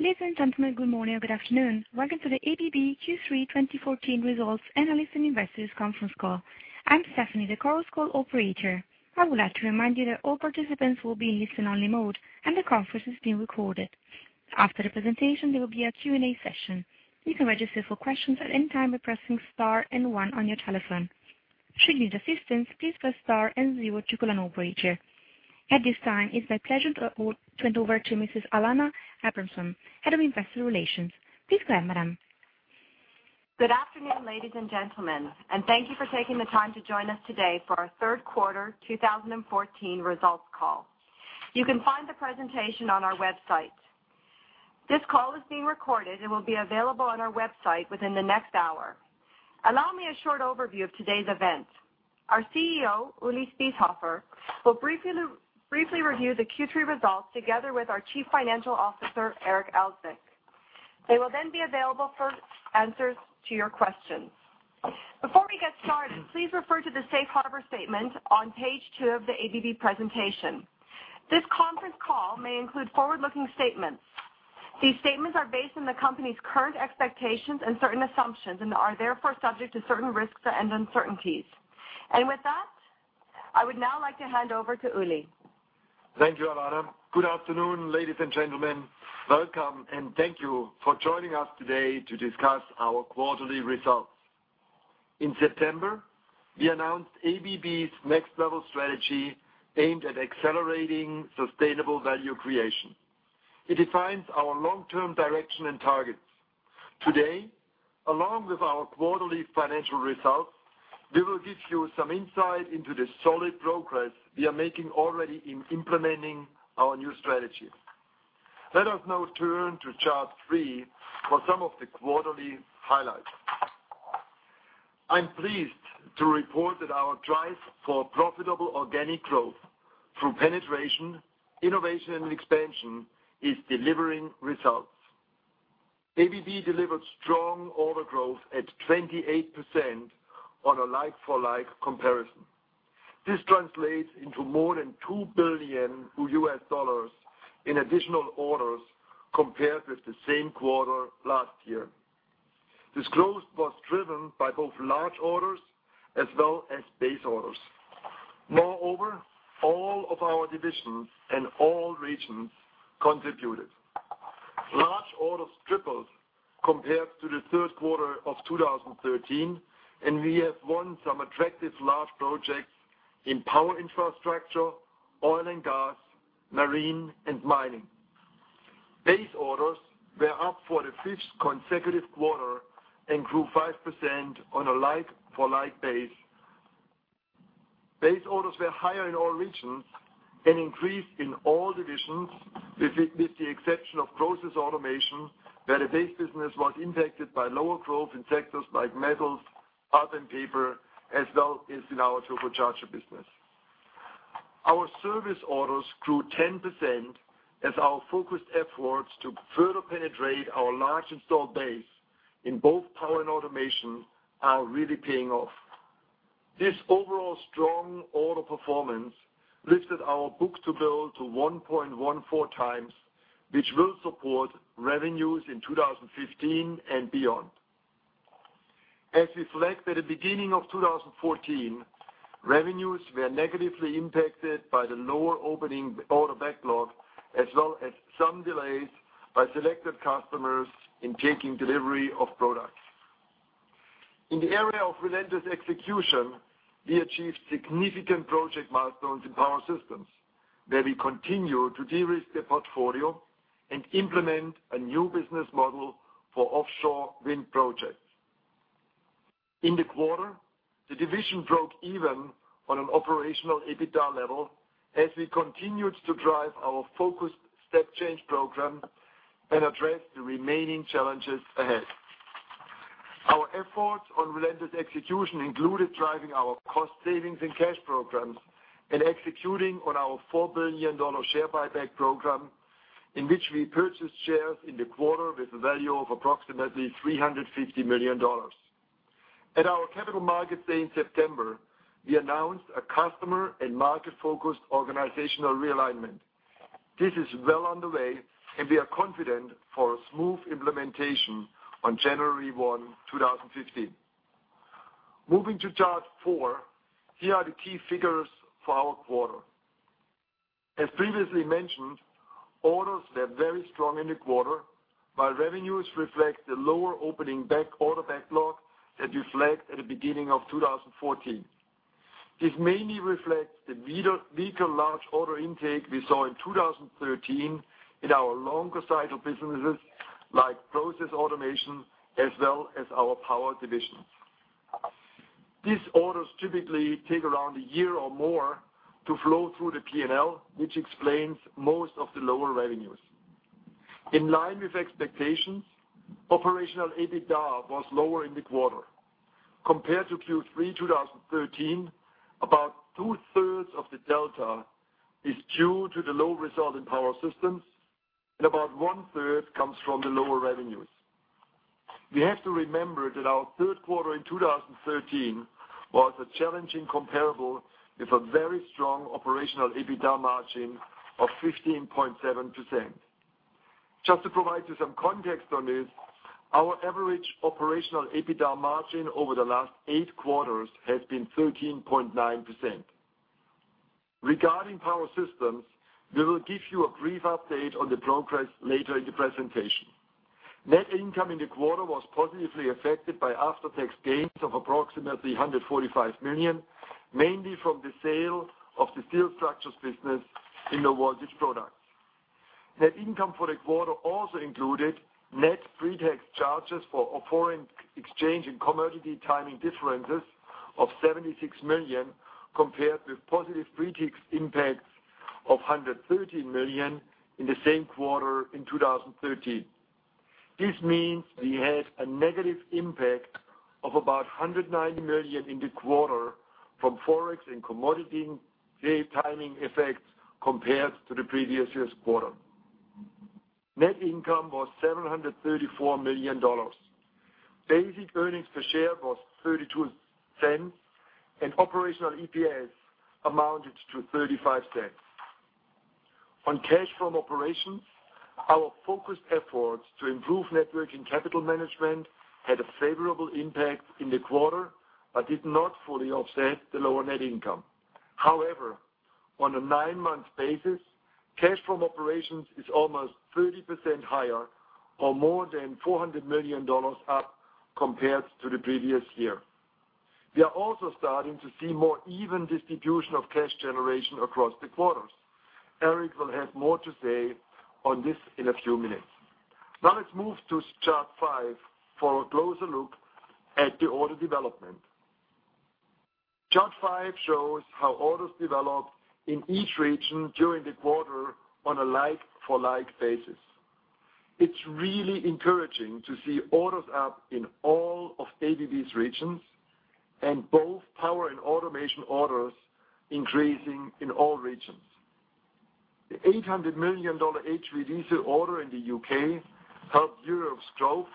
Ladies and gentlemen, good morning or good afternoon. Welcome to the ABB Q3 2014 results analyst and investors conference call. I'm Stephanie, the conference call operator. I would like to remind you that all participants will be in listen-only mode, and the conference is being recorded. After the presentation, there will be a Q&A session. You can register for questions at any time by pressing star and one on your telephone. Should you need assistance, please press star and zero to go to an operator. At this time, it's my pleasure to hand over to Mrs. Alanna Abrahamson, Head of Investor Relations. Please go ahead, madam. Good afternoon, ladies and gentlemen. Thank you for taking the time to join us today for our third quarter 2014 results call. You can find the presentation on our website. This call is being recorded and will be available on our website within the next hour. Allow me a short overview of today's events. Our CEO, Ulrich Spiesshofer, will briefly review the Q3 results together with our Chief Financial Officer, Eric Elzvik. They will then be available for answers to your questions. Before we get started, please refer to the safe harbor statement on page two of the ABB presentation. This conference call may include forward-looking statements. These statements are based on the company's current expectations and certain assumptions and are therefore subject to certain risks and uncertainties. With that, I would now like to hand over to Ulrich. Thank you, Alanna. Good afternoon, ladies and gentlemen. Welcome. Thank you for joining us today to discuss our quarterly results. In September, we announced ABB's Next Level strategy aimed at accelerating sustainable value creation. It defines our long-term direction and targets. Today, along with our quarterly financial results, we will give you some insight into the solid progress we are making already in implementing our new strategy. Let us now turn to chart three for some of the quarterly highlights. I'm pleased to report that our drive for profitable organic growth through penetration, innovation, and expansion is delivering results. ABB delivered strong order growth at 28% on a like-for-like comparison. This translates into more than $2 billion in additional orders compared with the same quarter last year. This growth was driven by both large orders as well as base orders. Moreover, all of our divisions and all regions contributed. Large orders tripled compared to the third quarter of 2013. We have won some attractive large projects in power infrastructure, oil and gas, marine, and mining. Base orders were up for the fifth consecutive quarter and grew 5% on a like-for-like base. Base orders were higher in all regions and increased in all divisions with the exception of Process Automation, where the base business was impacted by lower growth in sectors like metals, pulp and paper, as well as in our turbocharger business. Our service orders grew 10% as our focused efforts to further penetrate our large installed base in both power and automation are really paying off. This overall strong order performance lifted our book-to-bill to 1.14 times, which will support revenues in 2015 and beyond. As reflected at the beginning of 2014, revenues were negatively impacted by the lower opening order backlog, as well as some delays by selected customers in taking delivery of products. In the area of relentless execution, we achieved significant project milestones in Power Systems, where we continue to de-risk the portfolio and implement a new business model for offshore wind projects. In the quarter, the division broke even on an operational EBITDA level as we continued to drive our focused step change program and address the remaining challenges ahead. Our effort on relentless execution included driving our cost savings and cash programs and executing on our $4 billion share buyback program, in which we purchased shares in the quarter with a value of approximately $350 million. At our Capital Markets Day in September, we announced a customer and market-focused organizational realignment. This is well on the way, and we are confident for a smooth implementation on January 1, 2015. Moving to chart four, here are the key figures for our quarter. As previously mentioned, orders were very strong in the quarter, while revenues reflect the lower opening order backlog that we flagged at the beginning of 2014. This mainly reflects the weaker large order intake we saw in 2013 in our longer cycle businesses like Process Automation as well as our Power divisions. These orders typically take around a year or more to flow through the P&L, which explains most of the lower revenues. In line with expectations, operational EBITDA was lower in the quarter. Compared to Q3 2013, about two-thirds of the delta is due to the low result in Power Systems, and about one-third comes from the lower revenues. We have to remember that our third quarter in 2013 was a challenging comparable, with a very strong operational EBITDA margin of 15.7%. Just to provide you some context on this, our average operational EBITDA margin over the last eight quarters has been 13.9%. Regarding Power Systems, we will give you a brief update on the progress later in the presentation. Net income in the quarter was positively affected by after-tax gains of approximately $145 million, mainly from the sale of the Meyer Steel Structures business in the voltage products. Net income for the quarter also included net pre-tax charges for foreign exchange and commodity timing differences of $76 million, compared with positive pre-tax impacts of $113 million in the same quarter in 2013. This means we had a negative impact of about $190 million in the quarter from Forex and commodity timing effects compared to the previous year's quarter. Net income was $734 million. Basic earnings per share was $0.32, and operational EPS amounted to $0.35. On cash from operations, our focused efforts to improve net working capital management had a favorable impact in the quarter, but did not fully offset the lower net income. However, on a nine-month basis, cash from operations is almost 30% higher or more than $400 million up compared to the previous year. We are also starting to see more even distribution of cash generation across the quarters. Eric will have more to say on this in a few minutes. Now let's move to chart five for a closer look at the order development. Chart five shows how orders developed in each region during the quarter on a like for like basis. It's really encouraging to see orders up in all of ABB's regions, and both power and automation orders increasing in all regions. The $800 million HVDC order in the U.K. helped Europe's growth,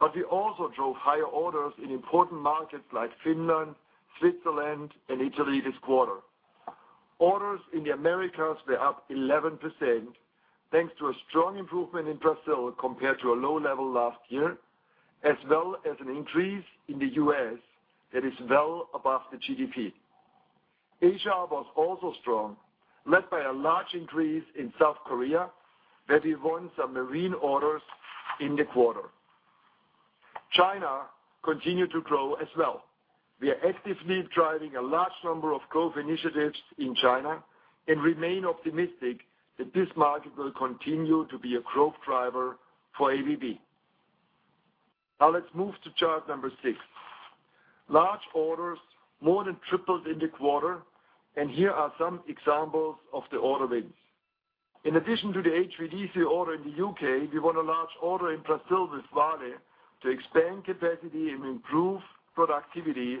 but we also drove higher orders in important markets like Finland, Switzerland, and Italy this quarter. Orders in the Americas were up 11%, thanks to a strong improvement in Brazil compared to a low level last year, as well as an increase in the U.S. that is well above the GDP. Asia was also strong, led by a large increase in South Korea, where we won some marine orders in the quarter. China continued to grow as well. We are actively driving a large number of growth initiatives in China and remain optimistic that this market will continue to be a growth driver for ABB. Now let's move to chart number six. Large orders more than tripled in the quarter, and here are some examples of the order wins. In addition to the HVDC order in the U.K., we won a large order in Brazil with Vale to expand capacity and improve productivity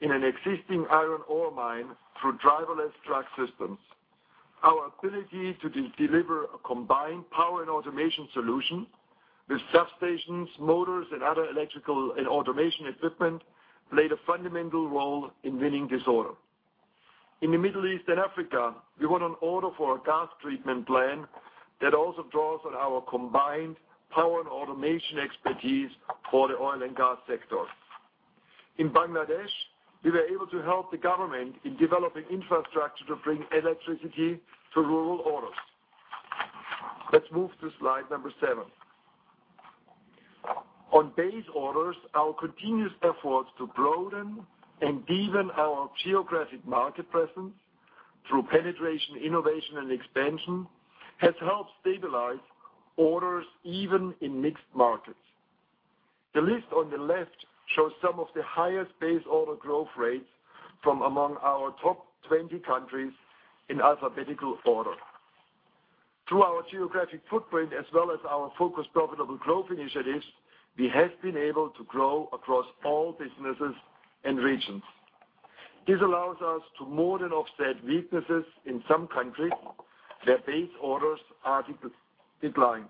in an existing iron ore mine through driverless truck systems. Our ability to deliver a combined power and automation solution with substations, motors, and other electrical and automation equipment played a fundamental role in winning this order. In the Middle East and Africa, we won an order for a gas treatment plant that also draws on our combined power and automation expertise for the oil and gas sector. In Bangladesh, we were able to help the government in developing infrastructure to bring electricity to rural areas. Let's move to slide number seven. On base orders, our continuous efforts to broaden and deepen our geographic market presence through penetration, innovation, and expansion, has helped stabilize orders even in mixed markets. The list on the left shows some of the highest base order growth rates from among our top 20 countries in alphabetical order. Through our geographic footprint as well as our focused profitable growth initiatives, we have been able to grow across all businesses and regions. This allows us to more than offset weaknesses in some countries where base orders are declined.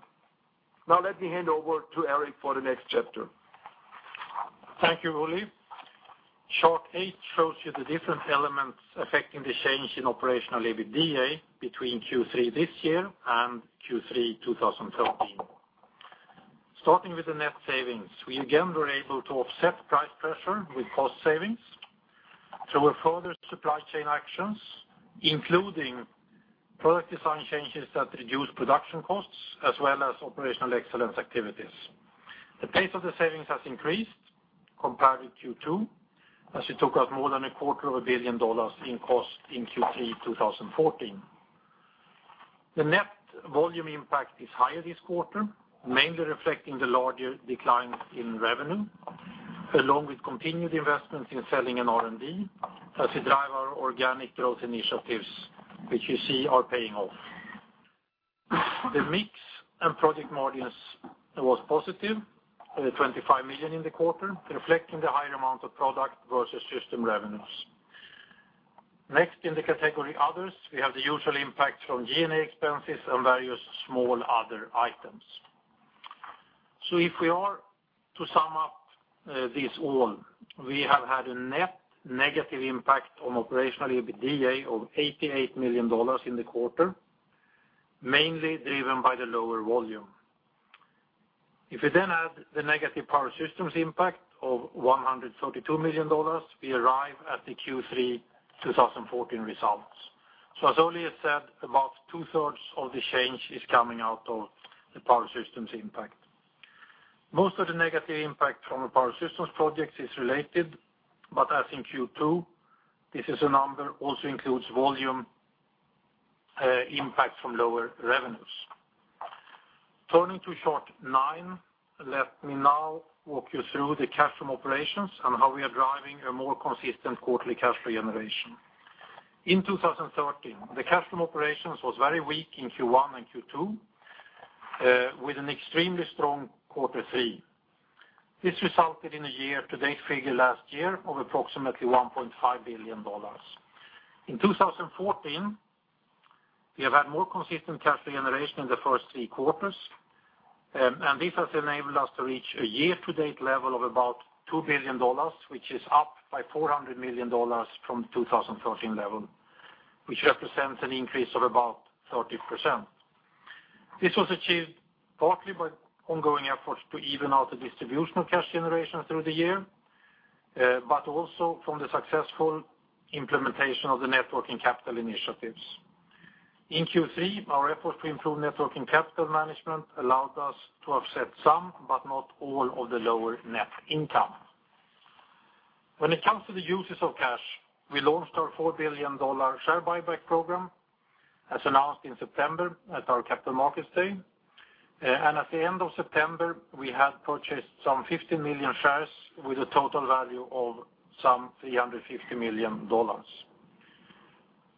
Now let me hand over to Eric for the next chapter. Thank you, Ulrich. Chart eight shows you the different elements affecting the change in operational EBITDA between Q3 this year and Q3 2013. Starting with the net savings, we again were able to offset price pressure with cost savings through our further supply chain actions, including product design changes that reduce production costs as well as operational excellence activities. The pace of the savings has increased compared with Q2, as we took out more than a quarter of a billion dollars in cost in Q3 2014. The net volume impact is higher this quarter, mainly reflecting the larger declines in revenue, along with continued investments in selling and R&D as we drive our organic growth initiatives, which you see are paying off. The mix and product margins was positive, at $25 million in the quarter, reflecting the higher amount of product versus system revenues. Next in the category others, we have the usual impact from G&A expenses and various small other items. If we are to sum up this all, we have had a net negative impact on operational EBITDA of $88 million in the quarter, mainly driven by the lower volume. If we add the negative Power Systems impact of $132 million, we arrive at the Q3 2014 results. As Uli said, about two-thirds of the change is coming out of the Power Systems impact. Most of the negative impact from the Power Systems project is related, but as in Q2, this is a number also includes volume impact from lower revenues. Turning to chart nine, let me now walk you through the cash from operations and how we are driving a more consistent quarterly cash generation. In 2013, the cash from operations was very weak in Q1 and Q2, with an extremely strong quarter three. This resulted in a year-to-date figure last year of approximately $1.5 billion. In 2014, we have had more consistent cash generation in the first three quarters, and this has enabled us to reach a year-to-date level of about $2 billion, which is up by $400 million from 2013 level, which represents an increase of about 30%. This was achieved partly by ongoing efforts to even out the distribution of cash generation through the year, but also from the successful implementation of the networking capital initiatives. In Q3, our effort to improve networking capital management allowed us to offset some, but not all of the lower net income. When it comes to the uses of cash, we launched our $4 billion share buyback program, as announced in September at our capital markets day. At the end of September, we had purchased some 50 million shares with a total value of some $350 million.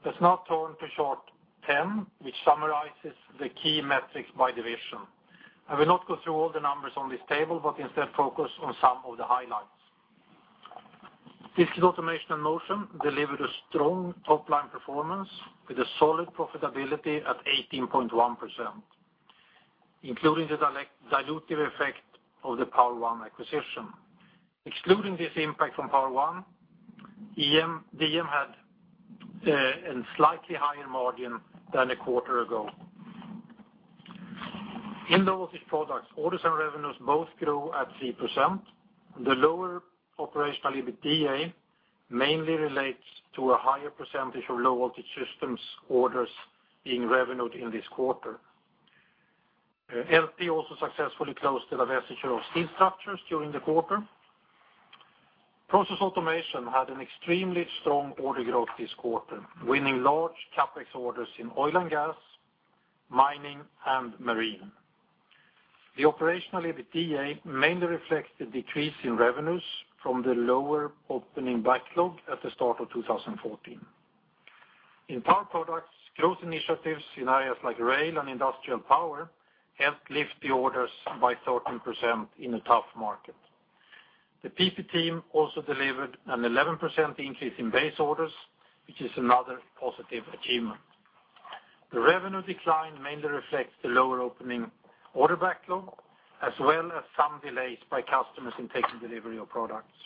Let's now turn to chart 10, which summarizes the key metrics by division. I will not go through all the numbers on this table, but instead focus on some of the highlights. Discrete Automation and Motion delivered a strong top-line performance with a solid profitability at 18.1%, including the dilutive effect of the Power-One acquisition. Excluding this impact from Power-One, the EM had a slightly higher margin than a quarter ago. In Low Voltage Products, orders and revenues both grew at 3%. The lower operational EBITDA mainly relates to a higher percentage of low-voltage systems orders being revenued in this quarter. LP also successfully closed the divestiture of Steel Structures during the quarter. Process Automation had an extremely strong order growth this quarter, winning large CapEx orders in oil and gas, mining, and marine. The operational EBITDA mainly reflects the decrease in revenues from the lower opening backlog at the start of 2014. In Power Products, growth initiatives in areas like rail and industrial power helped lift the orders by 13% in a tough market. The PP team also delivered an 11% increase in base orders, which is another positive achievement. The revenue decline mainly reflects the lower opening order backlog, as well as some delays by customers in taking delivery of products.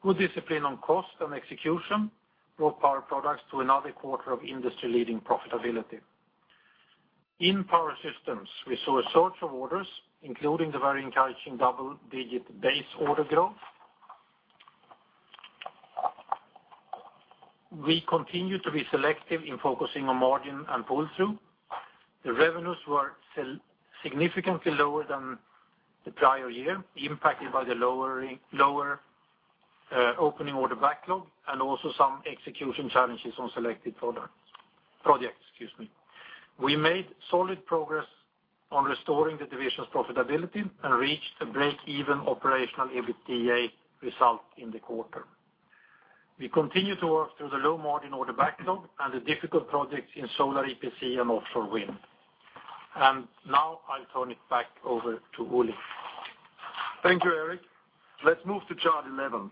Good discipline on cost and execution brought Power Products to another quarter of industry-leading profitability. In Power Systems, we saw a surge of orders, including the very encouraging double-digit base order growth. We continue to be selective in focusing on margin and pull-through. The revenues were significantly lower than the prior year, impacted by the lower opening order backlog and also some execution challenges on selected projects. We made solid progress on restoring the division's profitability and reached a break-even operational EBITDA result in the quarter. We continue to work through the low-margin order backlog and the difficult projects in solar EPC and offshore wind. Now I'll turn it back over to Ulrich. Thank you, Eric. Let's move to chart 11.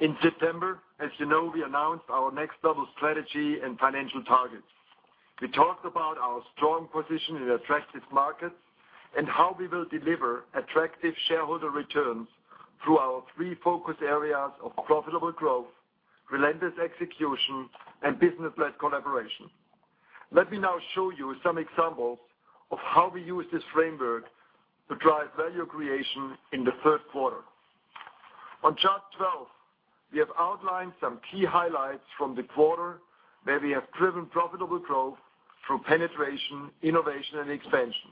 In September, as you know, we announced our Next Level strategy and financial targets. We talked about our strong position in attractive markets and how we will deliver attractive shareholder returns through our three focus areas of profitable growth, relentless execution, and business-led collaboration. Let me now show you some examples of how we used this framework to drive value creation in the third quarter. On chart 12, we have outlined some key highlights from the quarter where we have driven profitable growth through penetration, innovation, and expansion.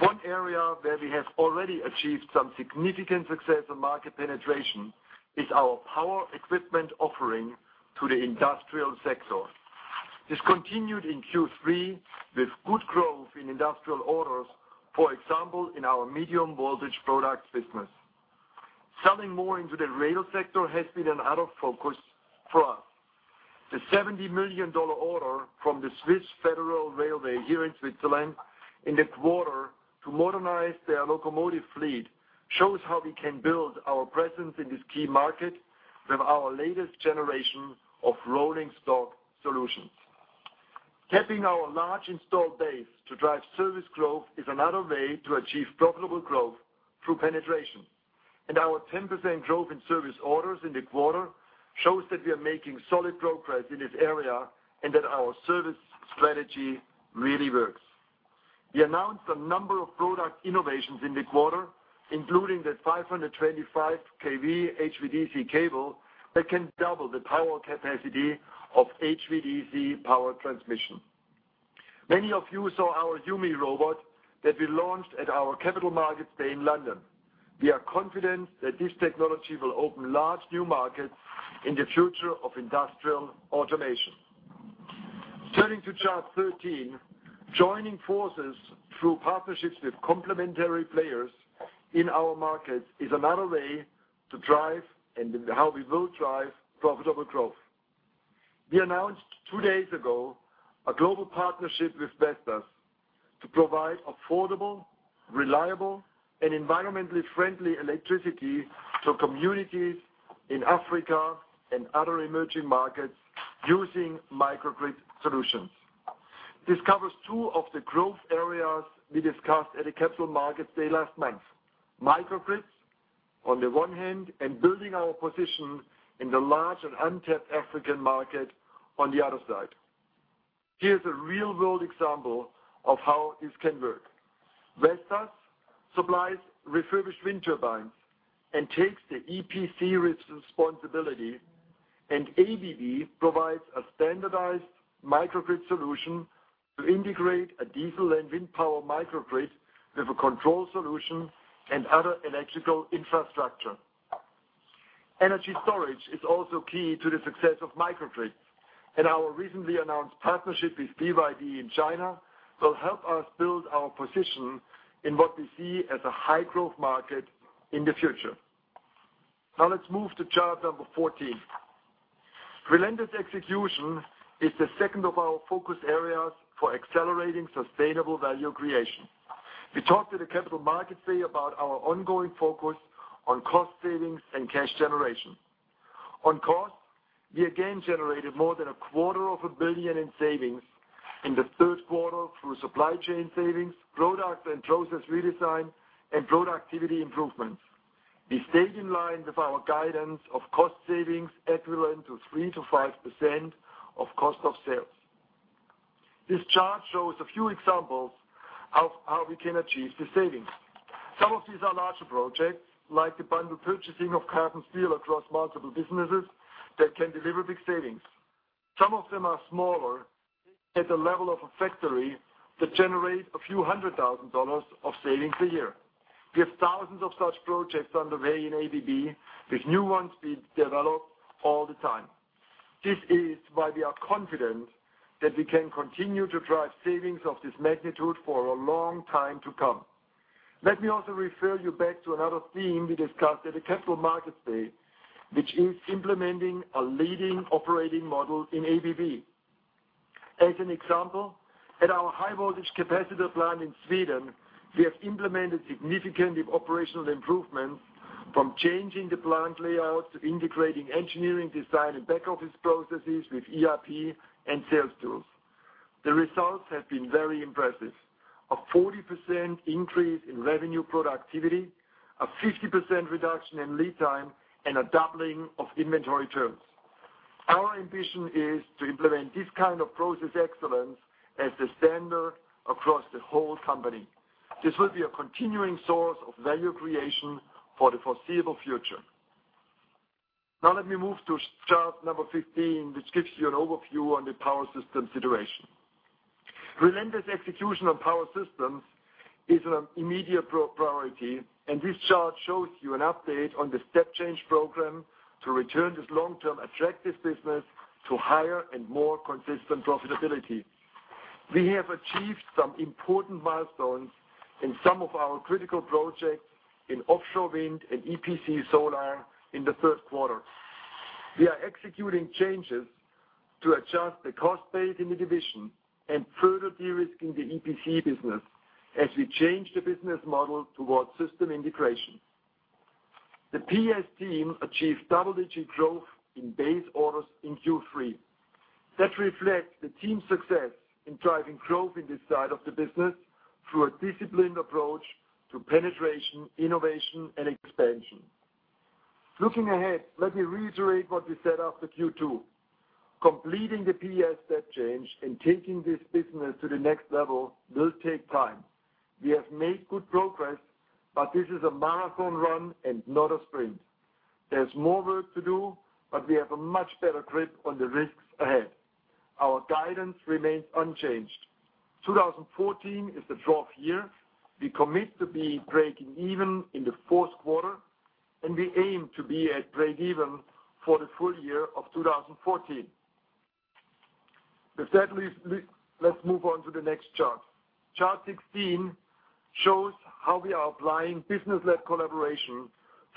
One area where we have already achieved some significant success in market penetration is our power equipment offering to the industrial sector. This continued in Q3 with good growth in industrial orders, for example, in our medium-voltage products business. Selling more into the rail sector has been another focus for us. The $70 million order from the Swiss Federal Railways here in Switzerland in this quarter to modernize their locomotive fleet shows how we can build our presence in this key market with our latest generation of rolling stock solutions. Tapping our large installed base to drive service growth is another way to achieve profitable growth through penetration. Our 10% growth in service orders in the quarter shows that we are making solid progress in this area, and that our service strategy really works. We announced a number of product innovations in the quarter, including the 525 kV HVDC cable that can double the power capacity of HVDC power transmission. Many of you saw our YuMi robot that we launched at our Capital Markets Day in London. We are confident that this technology will open large new markets in the future of industrial automation. Turning to chart 13, joining forces through partnerships with complementary players in our markets is another way to drive, and how we will drive profitable growth. We announced two days ago a global partnership with Vestas to provide affordable, reliable, and environmentally friendly electricity to communities in Africa and other emerging markets using microgrid solutions. This covers two of the growth areas we discussed at the Capital Markets Day last month. Microgrids on the one hand, and building our position in the large and untapped African market on the other side. Here's a real-world example of how this can work. Vestas supplies refurbished wind turbines and takes the EPC risk responsibility, and ABB provides a standardized microgrid solution to integrate a diesel and wind power microgrid with a control solution and other electrical infrastructure. Energy storage is also key to the success of microgrids. Our recently announced partnership with BYD in China will help us build our position in what we see as a high-growth market in the future. Let's move to chart number 14. Relentless execution is the second of our focus areas for accelerating sustainable value creation. We talked at the Capital Markets Day about our ongoing focus on cost savings and cash generation. On costs, we again generated more than a quarter of a billion in savings in the third quarter through supply chain savings, product and process redesign, and productivity improvements. We stayed in line with our guidance of cost savings equivalent to 3%-5% of cost of sales. This chart shows a few examples of how we can achieve the savings. Some of these are larger projects, like the bundle purchasing of carbon steel across multiple businesses that can deliver big savings. Some of them are smaller, at the level of a factory that generate a few hundred thousand dollars of savings a year. We have thousands of such projects underway in ABB, with new ones being developed all the time. This is why we are confident that we can continue to drive savings of this magnitude for a long time to come. Let me also refer you back to another theme we discussed at the Capital Markets Day, which is implementing a leading operating model in ABB. As an example, at our high voltage capacitor plant in Sweden, we have implemented significant operational improvements from changing the plant layout to integrating engineering design and back-office processes with ERP and sales tools. The results have been very impressive. A 40% increase in revenue productivity, a 50% reduction in lead time, and a doubling of inventory turns. Our ambition is to implement this kind of process excellence as the standard across the whole company. This will be a continuing source of value creation for the foreseeable future. Let me move to chart number 15, which gives you an overview on the Power Systems situation. Relentless execution on Power Systems is an immediate priority. This chart shows you an update on the step change program to return this long-term attractive business to higher and more consistent profitability. We have achieved some important milestones in some of our critical projects in offshore wind and Solar EPC in the third quarter. We are executing changes to adjust the cost base in the division. Further de-risking the EPC business as we change the business model towards system integration. The PS team achieved double-digit growth in base orders in Q3. That reflects the team's success in driving growth in this side of the business through a disciplined approach to penetration, innovation, and expansion. Looking ahead, let me reiterate what we said after Q2. Completing the PS step change and taking this business to the Next Level will take time. We have made good progress. This is a marathon run and not a sprint. We have more work to do. We have a much better grip on the risks ahead. Our guidance remains unchanged. 2014 is the trough year. We commit to be breaking even in the fourth quarter. We aim to be at breakeven for the full year of 2014. With that, let's move on to the next chart. Chart 16 shows how we are applying business-led collaboration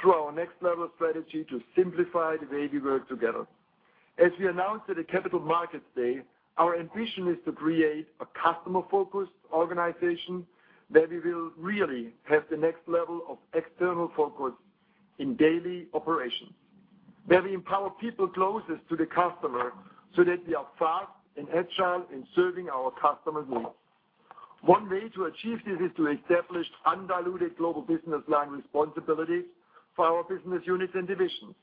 through our Next Level strategy to simplify the way we work together. As we announced at the Capital Markets Day, our ambition is to create a customer-focused organization. We will really have the next level of external focus in daily operations. We empower people closest to the customer so that we are fast and agile in serving our customers' needs. One way to achieve this is to establish undiluted global business line responsibilities for our business units and divisions.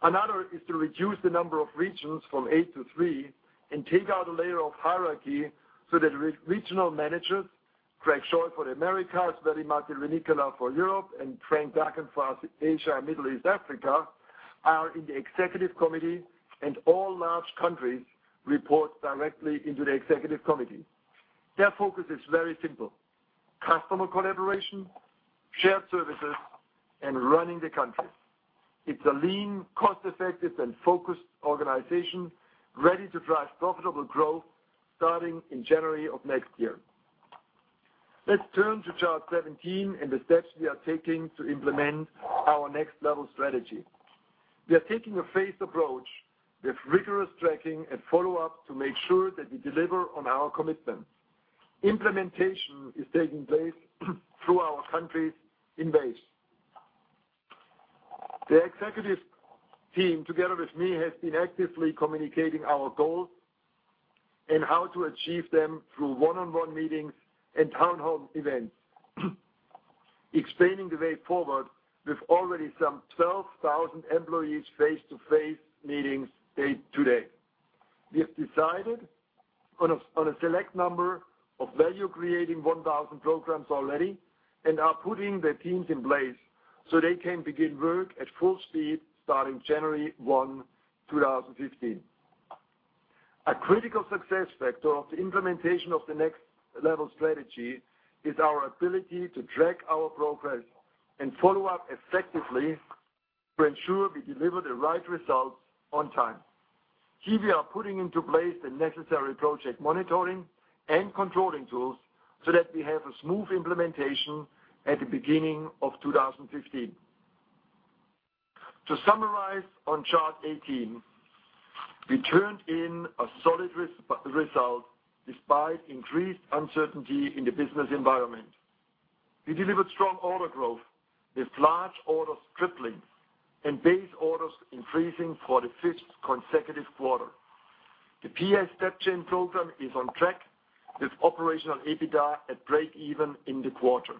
Another is to reduce the number of regions from 8 to 3 and take out a layer of hierarchy so that regional managers, Greg Scheu for the Americas, Thierry Michel for Europe, and Frank Duggan for Asia and Middle East, Africa, are in the Executive Committee, and all large countries report directly into the Executive Committee. Their focus is very simple: customer collaboration, shared services, and running the countries. It's a lean, cost-effective, and focused organization ready to drive profitable growth starting in January of next year. Let's turn to chart 17 and the steps we are taking to implement our Next Level strategy. We are taking a phased approach with rigorous tracking and follow-up to make sure that we deliver on our commitments. Implementation is taking place through our countries in base. The Executive Team, together with me, has been actively communicating our goals and how to achieve them through one-on-one meetings and town hall events, explaining the way forward with already some 12,000 employees face-to-face meetings date to date. We have decided on a select number of value-creating 1,000 programs already and are putting the teams in place so they can begin work at full speed starting January 1, 2015. A critical success factor of the implementation of the Next Level strategy is our ability to track our progress and follow up effectively to ensure we deliver the right results on time. We are putting into place the necessary project monitoring and controlling tools so that we have a smooth implementation at the beginning of 2015. To summarize on chart 18, we turned in a solid result despite increased uncertainty in the business environment. We delivered strong order growth with large orders tripling and base orders increasing for the fifth consecutive quarter. The PS Step Change program is on track with operational EBITDA at break-even in the quarter.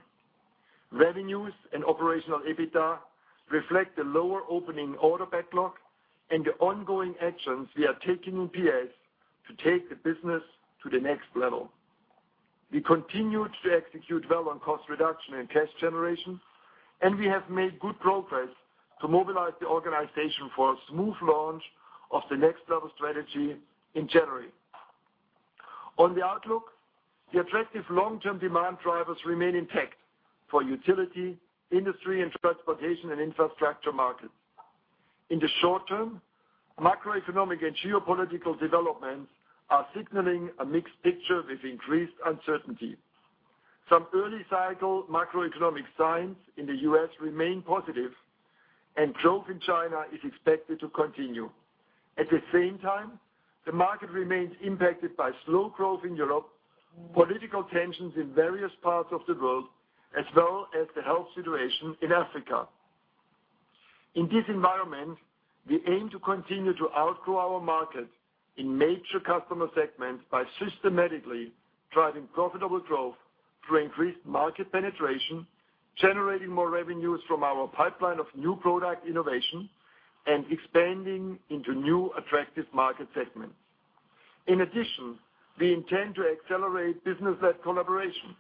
Revenues and operational EBITDA reflect the lower opening order backlog and the ongoing actions we are taking in PS to take the business to the next level. We continued to execute well on cost reduction and cash generation. We have made good progress to mobilize the organization for a smooth launch of the Next Level strategy in January. On the outlook, the attractive long-term demand drivers remain intact for utility, industry, and transportation and infrastructure markets. In the short term, macroeconomic and geopolitical developments are signaling a mixed picture with increased uncertainty. Some early-cycle macroeconomic signs in the U.S. remain positive. Growth in China is expected to continue. At the same time, the market remains impacted by slow growth in Europe, political tensions in various parts of the world, as well as the health situation in Africa. In this environment, we aim to continue to outgrow our market in major customer segments by systematically driving profitable growth through increased market penetration, generating more revenues from our pipeline of new product innovation, and expanding into new attractive market segments. In addition, we intend to accelerate business-led collaboration,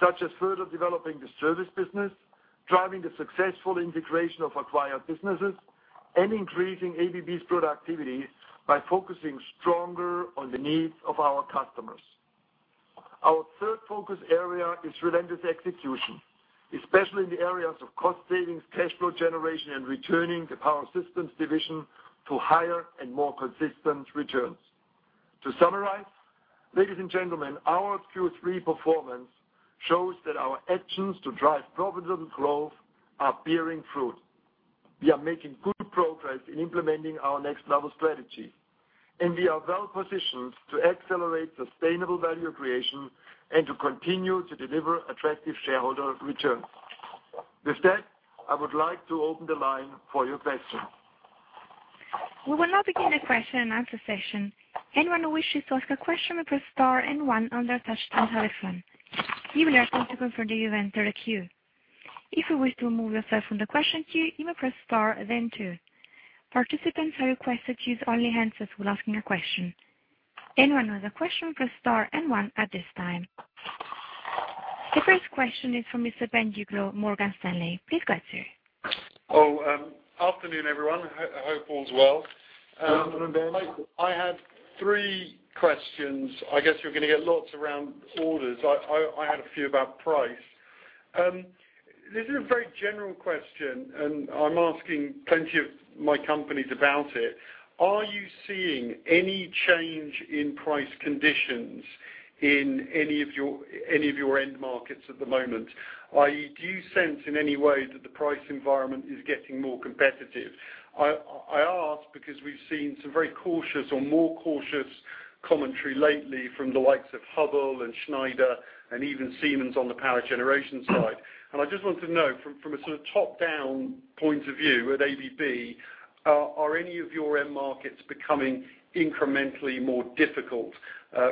such as further developing the service business, driving the successful integration of acquired businesses, and increasing ABB's productivity by focusing stronger on the needs of our customers. Our third focus area is relentless execution, especially in the areas of cost savings, cash flow generation, and returning the Power Systems division to higher and more consistent returns. To summarize, ladies and gentlemen, our Q3 performance shows that our actions to drive profitable growth are bearing fruit. We are making good progress in implementing our Next Level strategy. We are well positioned to accelerate sustainable value creation and to continue to deliver attractive shareholder returns. With that, I would like to open the line for your questions. We will now begin the question-and-answer session. Anyone who wishes to ask a question may press star and one on their touchtone telephone. You will hear confirmation you've entered the queue. If you wish to remove yourself from the question queue, you may press star then two. Participants are requested to use only hands while asking a question. Anyone with a question press star and one at this time. The first question is from Mr. Ben Uglow, Morgan Stanley. Please go ahead, sir. Oh, afternoon, everyone. I hope all's well. Good afternoon, Ben. I had three questions. I guess you're going to get lots around orders. I had a few about price. This is a very general question. I'm asking plenty of my companies about it. Are you seeing any change in price conditions in any of your end markets at the moment, do you sense in any way that the price environment is getting more competitive? I ask because we've seen some very cautious or more cautious commentary lately from the likes of Hubbell and Schneider, and even Siemens on the power generation side. I just wanted to know from a sort of top-down point of view with ABB, are any of your end markets becoming incrementally more difficult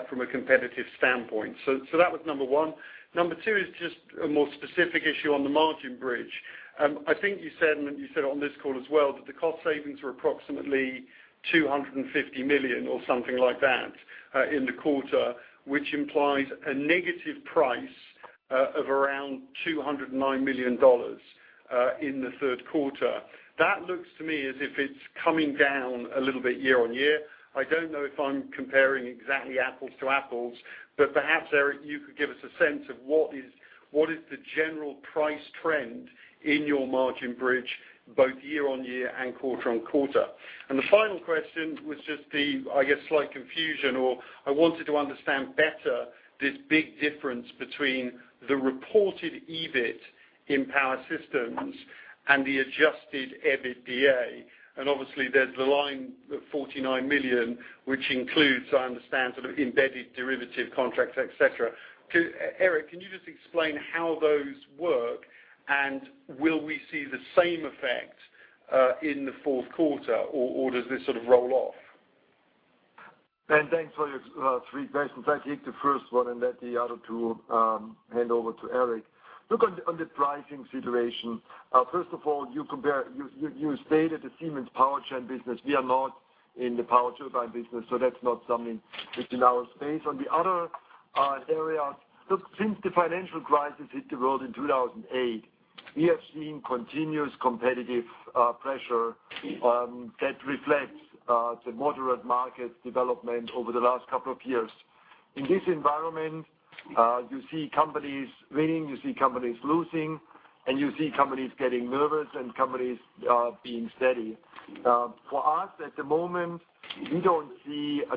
from a competitive standpoint? So that was number 1. Number 2 is just a more specific issue on the margin bridge. I think you said, you said it on this call as well, that the cost savings were approximately $250 million or something like that in the quarter, which implies a negative price of around $209 million in the third quarter. That looks to me as if it's coming down a little bit year-on-year. I don't know if I'm comparing exactly apples to apples, but perhaps, Eric, you could give us a sense of what is the general price trend in your margin bridge, both year-on-year and quarter-on-quarter. The final question was just the, I guess, slight confusion, or I wanted to understand better this big difference between the reported EBIT in Power Systems and the adjusted EBITDA. Obviously there's the line, the $49 million, which includes, I understand, sort of embedded derivative contracts, et cetera. Eric, can you just explain how those work? Will we see the same effect, in the fourth quarter or does this sort of roll off? Ben, thanks for your three questions. I take the first one and let the other two hand over to Eric. Look, on the pricing situation, first of all, you stated the Siemens power chain business. We are not in the power turbine business, so that's not something within our space. On the other area, look, since the financial crisis hit the world in 2008, we have seen continuous competitive pressure that reflects the moderate market development over the last couple of years. In this environment, you see companies winning, you see companies losing, and you see companies getting nervous and companies being steady. For us at the moment, we don't see a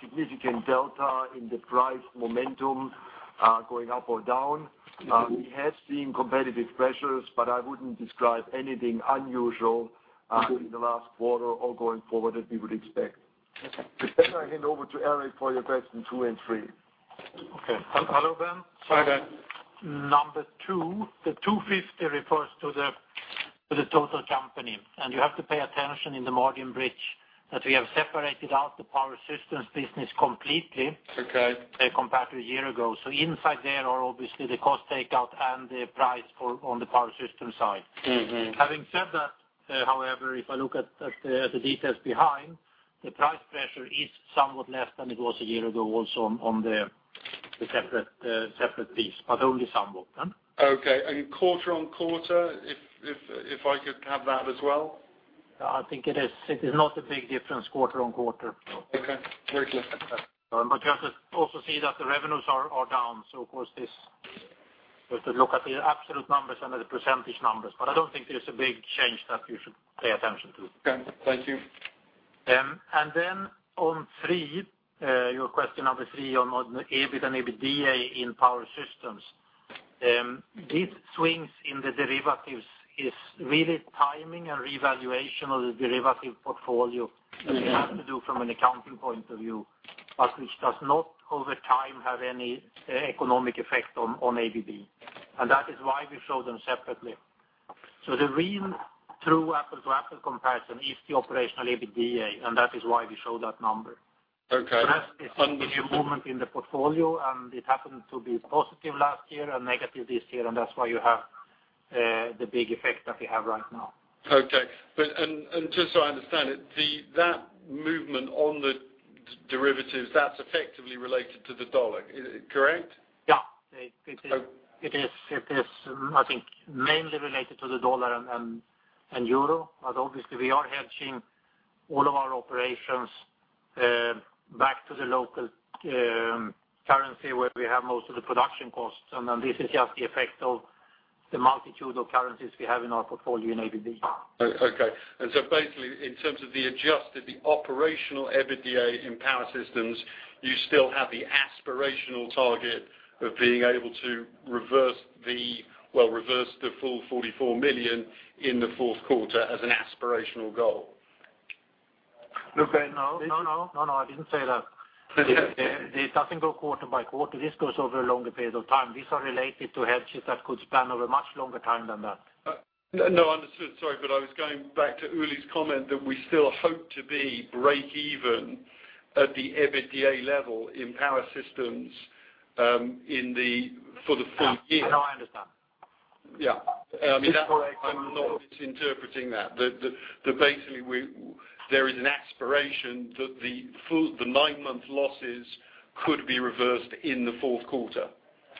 significant delta in the price momentum going up or down. We have seen competitive pressures, but I wouldn't describe anything unusual in the last quarter or going forward that we would expect. Okay. With that, I hand over to Eric for your question two and three. Okay. Hello, Ben. Hi, there. Number two, the 250 refers to the total company. You have to pay attention in the margin bridge that we have separated out the Power Systems business completely. Okay compared to a year ago. Inside there are obviously the cost takeout and the price on the Power Systems side. Having said that, however, if I look at the details behind, the price pressure is somewhat less than it was a year ago, also on the separate piece, but only somewhat. Okay. Quarter-on-quarter, if I could have that as well. I think it is not a big difference quarter-on-quarter. Okay. Very clear. You have to also see that the revenues are down, of course this, you have to look at the absolute numbers and the percentage numbers, I don't think there's a big change that you should pay attention to. Okay. Thank you. On 3, your question number 3 on EBIT and EBITDA in Power Systems. These swings in the derivatives is really timing and revaluation of the derivative portfolio that we have to do from an accounting point of view, but which does not over time have any economic effect on ABB. That is why we show them separately. The real true apple-to-apple comparison is the operational EBITDA, and that is why we show that number. Okay. That's a movement in the portfolio. It happened to be positive last year, negative this year. That's why you have the big effect that we have right now. Okay. Just so I understand it, that movement on the derivatives, that's effectively related to the dollar. Is it correct? Yeah. It is, I think, mainly related to the dollar and euro. Obviously we are hedging all of our operations back to the local currency where we have most of the production costs. This is just the effect of the multitude of currencies we have in our portfolio in ABB. Okay. Basically in terms of the adjusted, the operational EBITDA in Power Systems, you still have the aspirational target of being able to reverse the full $44 million in the fourth quarter as an aspirational goal. No, Ben. No, I didn't say that. Okay. It doesn't go quarter by quarter. This goes over a longer period of time. These are related to hedges that could span over much longer time than that. No, understood. Sorry, I was going back to Uli's comment that we still hope to be break even at the EBITDA level in Power Systems, for the full year. No, I understand. Yeah. I mean. It's correct. I'm not misinterpreting that basically there is an aspiration that the nine-month losses could be reversed in the fourth quarter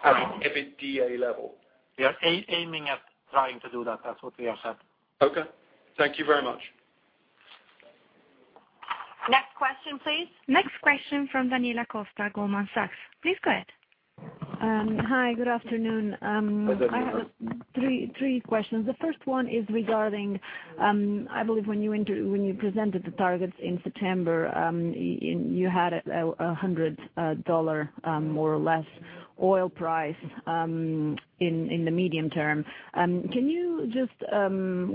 at an EBITDA level. We are aiming at trying to do that. That's what we have said. Okay. Thank you very much. Next question, please. Next question from Daniela Costa, Goldman Sachs. Please go ahead. Hi, good afternoon. Good afternoon. I have three questions. The first one is regarding, I believe when you presented the targets in September, you had a $100, more or less, oil price in the medium term. Can you just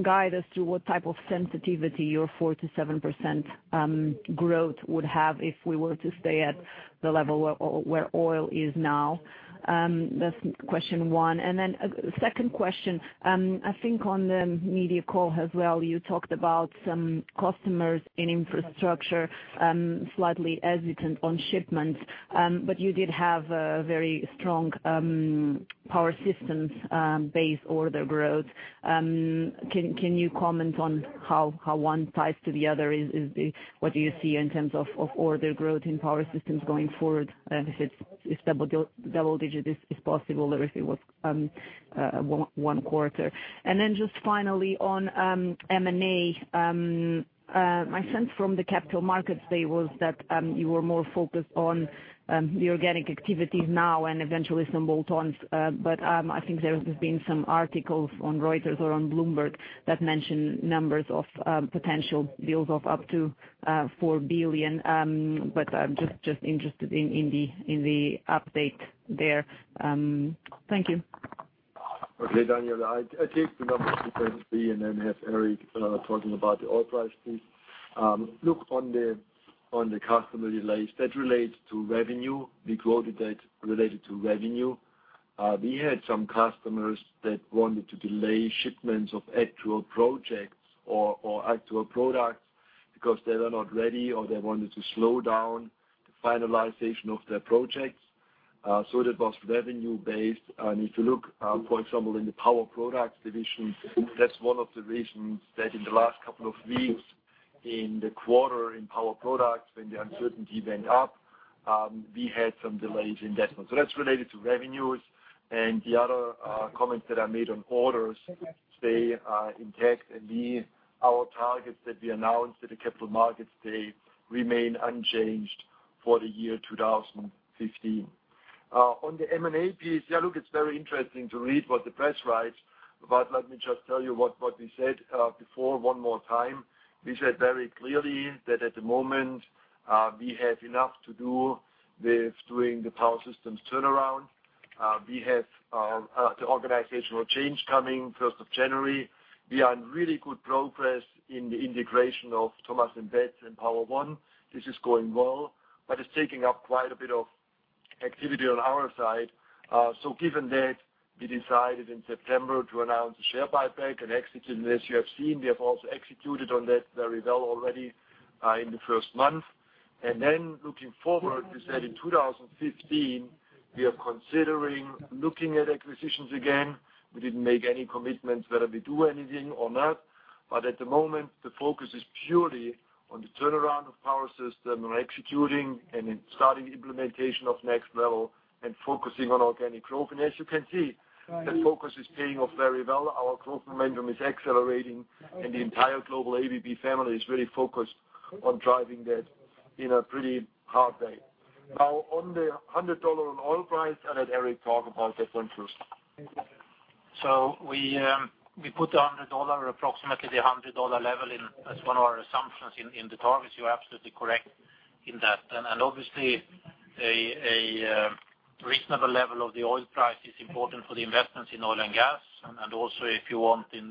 guide us through what type of sensitivity your 4%-7% growth would have if we were to stay at the level where oil is now? That's question one. Then second question, I think on the media call as well, you talked about some customers in infrastructure slightly hesitant on shipments, but you did have a very strong Power Systems base order growth. Can you comment on how one ties to the other? What do you see in terms of order growth in Power Systems going forward? If double digit is possible or if it was one quarter. Just finally on M&A. My sense from the capital markets day was that you were more focused on the organic activities now and eventually some bolt-ons. I think there has been some articles on Reuters or on Bloomberg that mention numbers of potential deals of up to $4 billion. I'm just interested in the update there. Thank you. Okay, Daniela, I'll take the numbers and then have Eric talking about the oil price, please. Look on the customer delays. That relates to revenue. We quoted that related to revenue. We had some customers that wanted to delay shipments of actual projects or actual products because they were not ready, or they wanted to slow down the finalization of their projects. That was revenue-based. If you look, for example, in the Power Products division, that's one of the reasons that in the last couple of weeks in the quarter in Power Products, when the uncertainty went up, we had some delays in that one. That's related to revenues. The other comments that I made on orders stay intact. Our targets that we announced at the capital markets stay, remain unchanged for the year 2015. On the M&A piece, look, it's very interesting to read what the press writes. Let me just tell you what we said before one more time. We said very clearly that at the moment, we have enough to do with doing the Power Systems turnaround. We have the organizational change coming 1st of January. We are in really good progress in the integration of Thomas & Betts and Power-One, Inc. This is going well. It's taking up quite a bit of activity on our side. Given that, we decided in September to announce a share buyback and execute on this. You have seen we have also executed on that very well already in the first month. Looking forward, we said in 2015, we are considering looking at acquisitions again. We didn't make any commitments whether we do anything or not. At the moment, the focus is purely on the turnaround of Power Systems. We're executing and starting implementation of Next Level and focusing on organic growth. As you can see, that focus is paying off very well. Our growth momentum is accelerating, the entire global ABB family is really focused on driving that in a pretty hard way. Now on the $100 on oil price, I let Eric talk about that one first. Thank you. We put approximately the $100 level in as one of our assumptions in the targets. You're absolutely correct in that. Obviously, a reasonable level of the oil price is important for the investments in oil and gas and also if you want in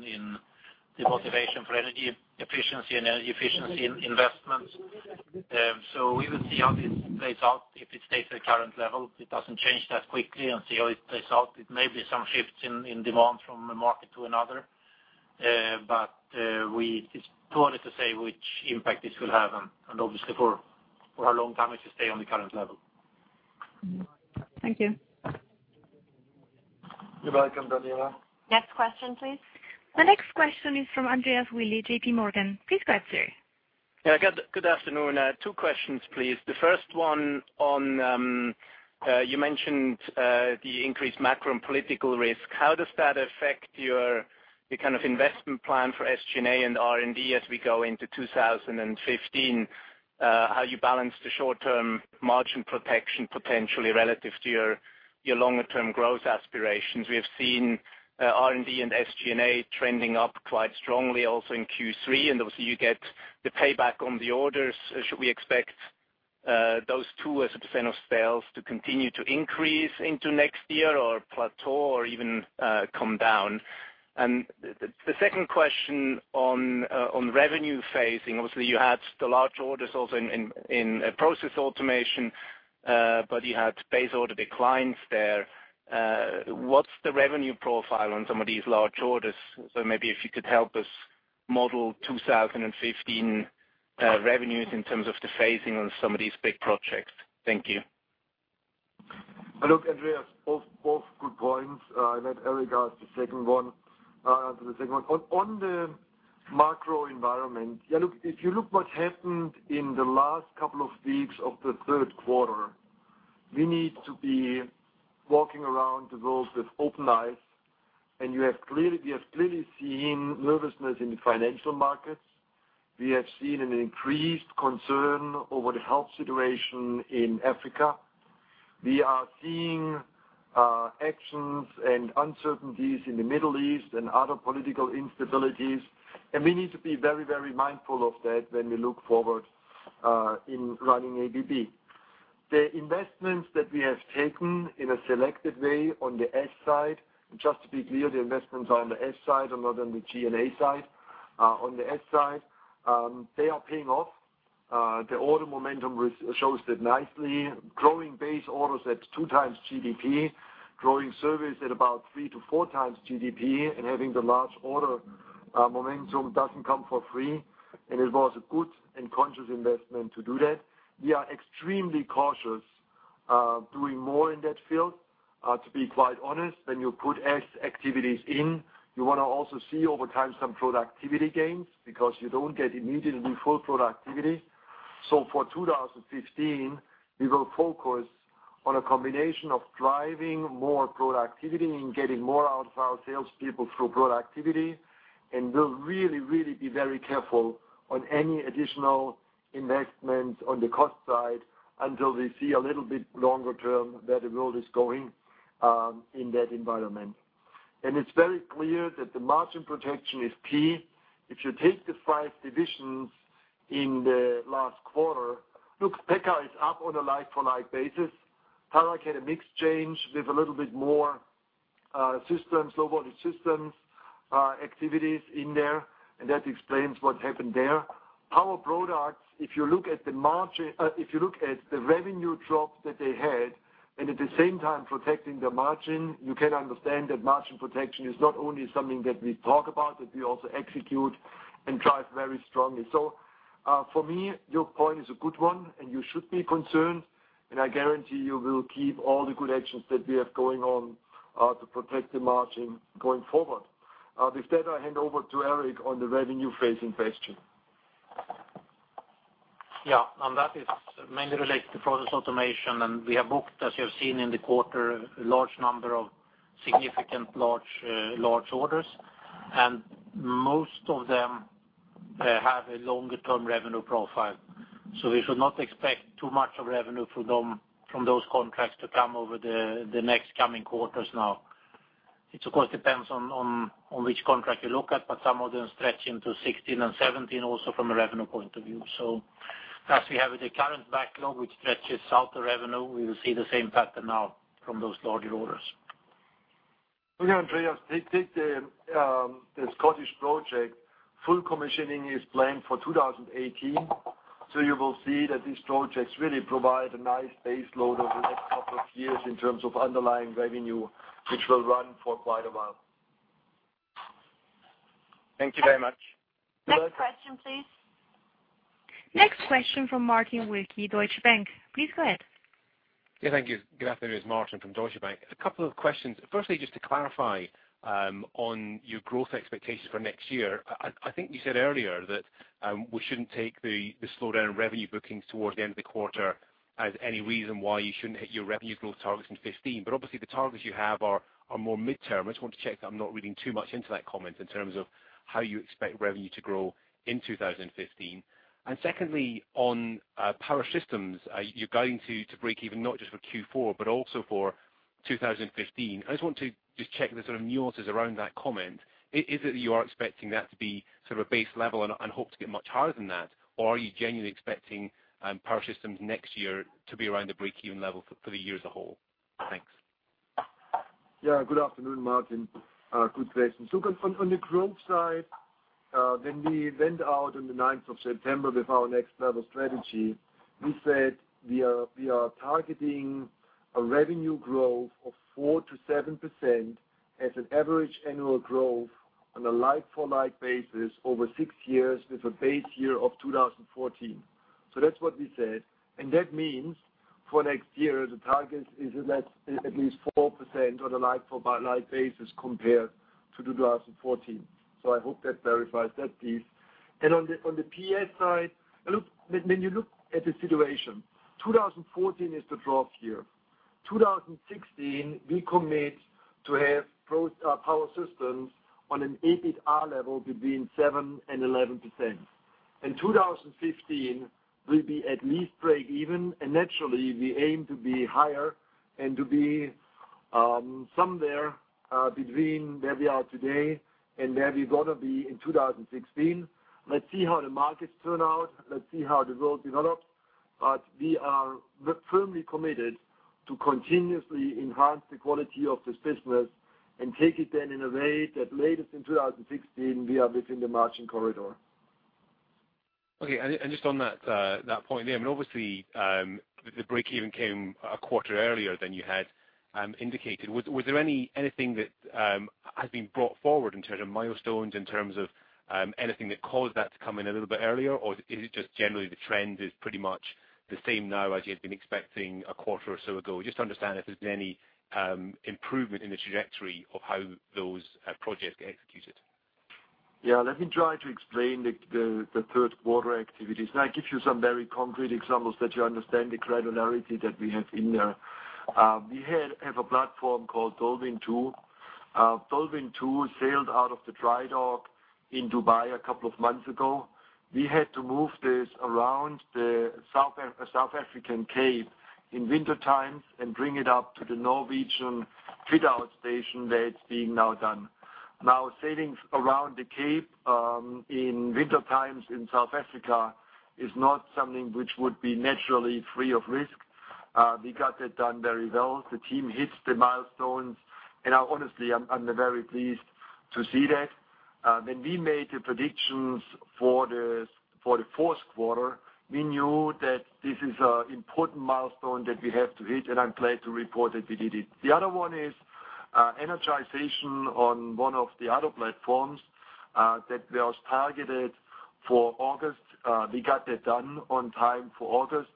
the motivation for energy efficiency and efficiency in investments. We will see how this plays out. If it stays at the current level, it doesn't change that quickly and see how it plays out. It may be some shifts in demand from a market to another. It's too early to say which impact this will have and obviously for how long time it will stay on the current level. Thank you. You're welcome, Daniela. Next question, please. The next question is from Andreas Willi, JPMorgan. Please go ahead, sir. Good afternoon. Two questions, please. The first one on, you mentioned the increased macro and political risk. How does that affect your investment plan for SG&A and R&D as we go into 2015? How you balance the short-term margin protection potentially relative to your longer-term growth aspirations? We have seen R&D and SG&A trending up quite strongly also in Q3, and obviously you get the payback on the orders. Should we expect those two as a % of sales to continue to increase into next year or plateau or even come down? The second question on revenue phasing. Obviously, you had the large orders also in Process Automation, but you had base order declines there. What's the revenue profile on some of these large orders? Maybe if you could help us model 2015 revenues in terms of the phasing on some of these big projects. Thank you. Look, Andreas, both good points. I let Eric answer the second one. On the macro environment. If you look what happened in the last couple of weeks of the third quarter, we need to be walking around the world with open eyes. We have clearly seen nervousness in the financial markets. We have seen an increased concern over the health situation in Africa. We are seeing actions and uncertainties in the Middle East and other political instabilities, and we need to be very mindful of that when we look forward in running ABB. The investments that we have taken in a selected way on the S side, just to be clear, the investments are on the S side and not on the G&A side. On the S side, they are paying off. The order momentum shows that nicely. Growing base orders at two times GDP, growing service at about three to four times GDP, having the large order momentum doesn't come for free, and it was a good and conscious investment to do that. We are extremely cautious doing more in that field, to be quite honest. When you put SG&A activities in, you want to also see over time some productivity gains because you don't get immediately full productivity. For 2015, we will focus on a combination of driving more productivity and getting more out of our salespeople through productivity. We'll really be very careful on any additional investment on the cost side until we see a little bit longer term where the world is going in that environment. It's very clear that the margin protection is key. If you take the five divisions in the last quarter. Look, Pekka is up on a like-for-like basis. How can a mix change with a little bit more systems, low-voltage systems activities in there, and that explains what happened there. Power Products, if you look at the revenue drop that they had, at the same time protecting the margin, you can understand that margin protection is not only something that we talk about, that we also execute and drive very strongly. For me, your point is a good one and you should be concerned, I guarantee you we'll keep all the good actions that we have going on to protect the margin going forward. With that, I hand over to Eric on the revenue phasing question. That is mainly related to Process Automation, we have booked, as you have seen in the quarter, a large number of significant large orders. Most of them have a longer-term revenue profile. We should not expect too much of revenue from those contracts to come over the next coming quarters now. It of course depends on which contract you look at, but some of them stretch into 2016 and 2017 also from a revenue point of view. As we have the current backlog which stretches out the revenue, we will see the same pattern now from those larger orders. Andreas, take the Scottish project. Full commissioning is planned for 2018. You will see that these projects really provide a nice base load over the next couple of years in terms of underlying revenue, which will run for quite a while. Thank you very much. Next question, please. Next question from Martin Wilkie, Deutsche Bank. Please go ahead. Yeah, thank you. Good afternoon. It's Martin from Deutsche Bank. A couple of questions. Firstly, just to clarify on your growth expectations for next year. I think you said earlier that we shouldn't take the slowdown in revenue bookings towards the end of the quarter as any reason why you shouldn't hit your revenue growth targets in 2015. Obviously, the targets you have are more midterm. I just want to check that I'm not reading too much into that comment in terms of how you expect revenue to grow in 2015. Secondly, on Power Systems, you're guiding to breakeven not just for Q4 but also for 2015. I just want to check the sort of nuances around that comment. Is it that you are expecting that to be sort of a base level and hope to get much higher than that? Are you genuinely expecting Power Systems next year to be around the breakeven level for the year as a whole? Thanks. Good afternoon, Martin. Good question. On the growth side, when we went out on the 9th of September with our Next Level strategy, we said we are targeting a revenue growth of 4%-7% as an average annual growth on a like-for-like basis over 6 years with a base year of 2014. That's what we said. That means for next year the target is at least 4% on a like-for-like basis compared to 2014. I hope that verifies that piece. On the PS side, when you look at the situation, 2014 is the drop year. 2016, we commit to have Power Systems on an EBITDA level between 7%-11%. In 2015, we'll be at least breakeven, and naturally we aim to be higher and to be somewhere between where we are today and where we're going to be in 2016. Let's see how the markets turn out. Let's see how the world develops. We are firmly committed to continuously enhance the quality of this business and take it then in a way that latest in 2016, we are within the margin corridor. Okay. Just on that point there, I mean, obviously, the breakeven came a quarter earlier than you had indicated. Was there anything that has been brought forward in terms of milestones, in terms of anything that caused that to come in a little bit earlier? Is it just generally the trend is pretty much the same now as you had been expecting a quarter or so ago? Just to understand if there's been any improvement in the trajectory of how those projects get executed. Yeah. Let me try to explain the third quarter activities, and I give you some very concrete examples that you understand the credibility that we have in there. We have a platform called DolWin2. DolWin2 sailed out of the dry dock in Dubai a couple of months ago. We had to move this around the South African Cape in wintertime and bring it up to the Norwegian fit-out station that it's being now done. Sailing around the Cape in wintertime in South Africa is not something which would be naturally free of risk. We got that done very well. The team hits the milestones, and honestly, I'm very pleased to see that. When we made the predictions for the fourth quarter, we knew that this is important milestone that we have to hit, and I'm glad to report that we did it. The other one is energization on one of the other platforms that was targeted for August. We got that done on time for August,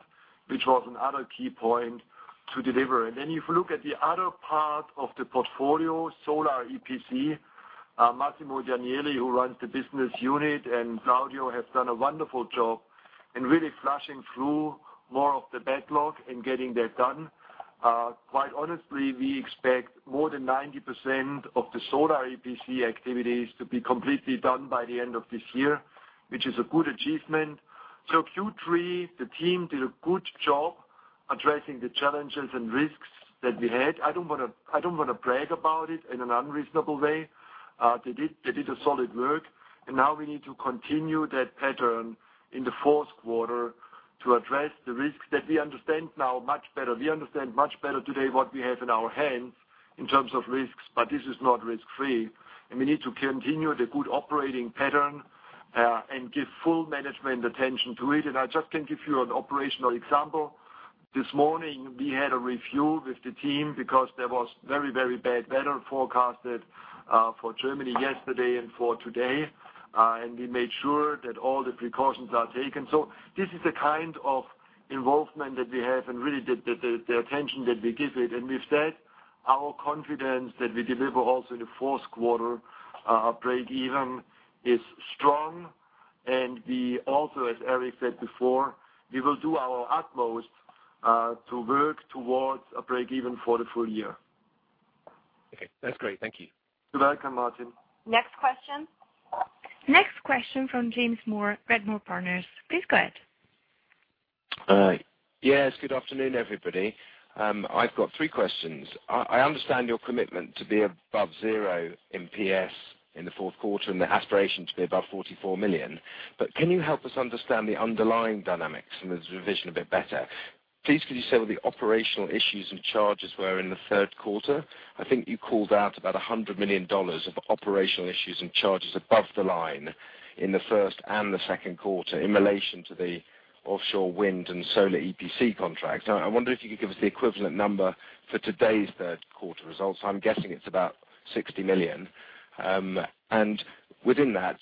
which was another key point to deliver. If you look at the other part of the portfolio, Solar EPC, Massimo Giammarrusti, who runs the business unit, and Claudio have done a wonderful job in really flushing through more of the backlog and getting that done. Quite honestly, we expect more than 90% of the Solar EPC activities to be completely done by the end of this year, which is a good achievement. Q3, the team did a good job addressing the challenges and risks that we had. I don't want to brag about it in an unreasonable way. They did solid work. Now we need to continue that pattern in the fourth quarter to address the risks that we understand now much better. We understand much better today what we have in our hands in terms of risks, but this is not risk-free, and we need to continue the good operating pattern and give full management attention to it. I just can give you an operational example. This morning, we had a review with the team because there was very bad weather forecasted for Germany yesterday and for today. We made sure that all the precautions are taken. This is the kind of involvement that we have and really the attention that we give it. With that, our confidence that we deliver also the fourth quarter breakeven is strong. We also, as Eric said before, we will do our utmost to work towards a breakeven for the full year. Okay. That's great. Thank you. You're welcome, Martin. Next question. Next question from James Moore, Redburn Partners. Please go ahead. Yes, good afternoon, everybody. I've got three questions. I understand your commitment to be above zero in PS in the fourth quarter and the aspiration to be above $44 million. Can you help us understand the underlying dynamics and the revision a bit better? Please, could you say what the operational issues and charges were in the third quarter? I think you called out about $100 million of operational issues and charges above the line in the first and the second quarter in relation to the offshore wind and Solar EPC contracts. I wonder if you could give us the equivalent number for today's third quarter results. I'm guessing it's about $60 million. Within that,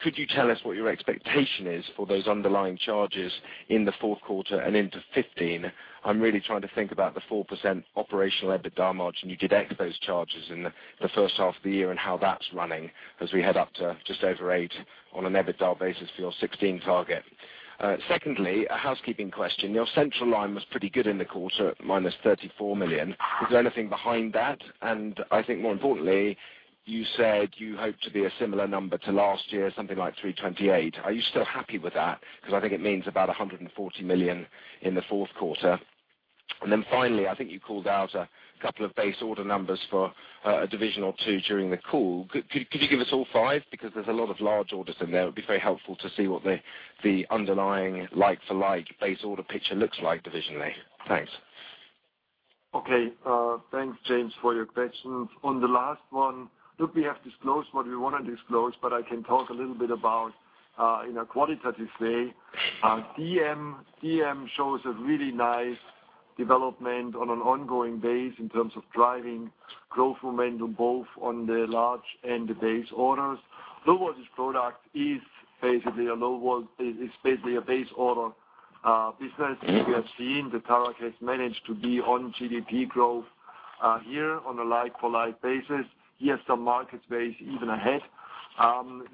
could you tell us what your expectation is for those underlying charges in the fourth quarter and into 2015? I'm really trying to think about the 4% operational EBITDA margin you did X those charges in the first half of the year and how that's running as we head up to just over 8 on an EBITDA basis for your 2016 target. Secondly, a housekeeping question. Your central line was pretty good in the quarter, minus $34 million. Is there anything behind that? I think more importantly, you said you hope to be a similar number to last year, something like $328 million. Are you still happy with that? I think it means about $140 million in the fourth quarter. Finally, I think you called out a couple of base order numbers for a division or two during the call. Could you give us all five? There's a lot of large orders in there. It would be very helpful to see what the underlying like for like base order picture looks like divisionally. Thanks. Okay. Thanks, James, for your questions. On the last one, look, we have disclosed what we want to disclose, but I can talk a little bit about in a qualitative way. DM shows a really nice development on an ongoing base in terms of driving growth momentum, both on the large and the base orders. Low Voltage Products is basically a base order business. As you have seen, that Tarak has managed to be on GDP growth here on a like for like basis. He has some market base even ahead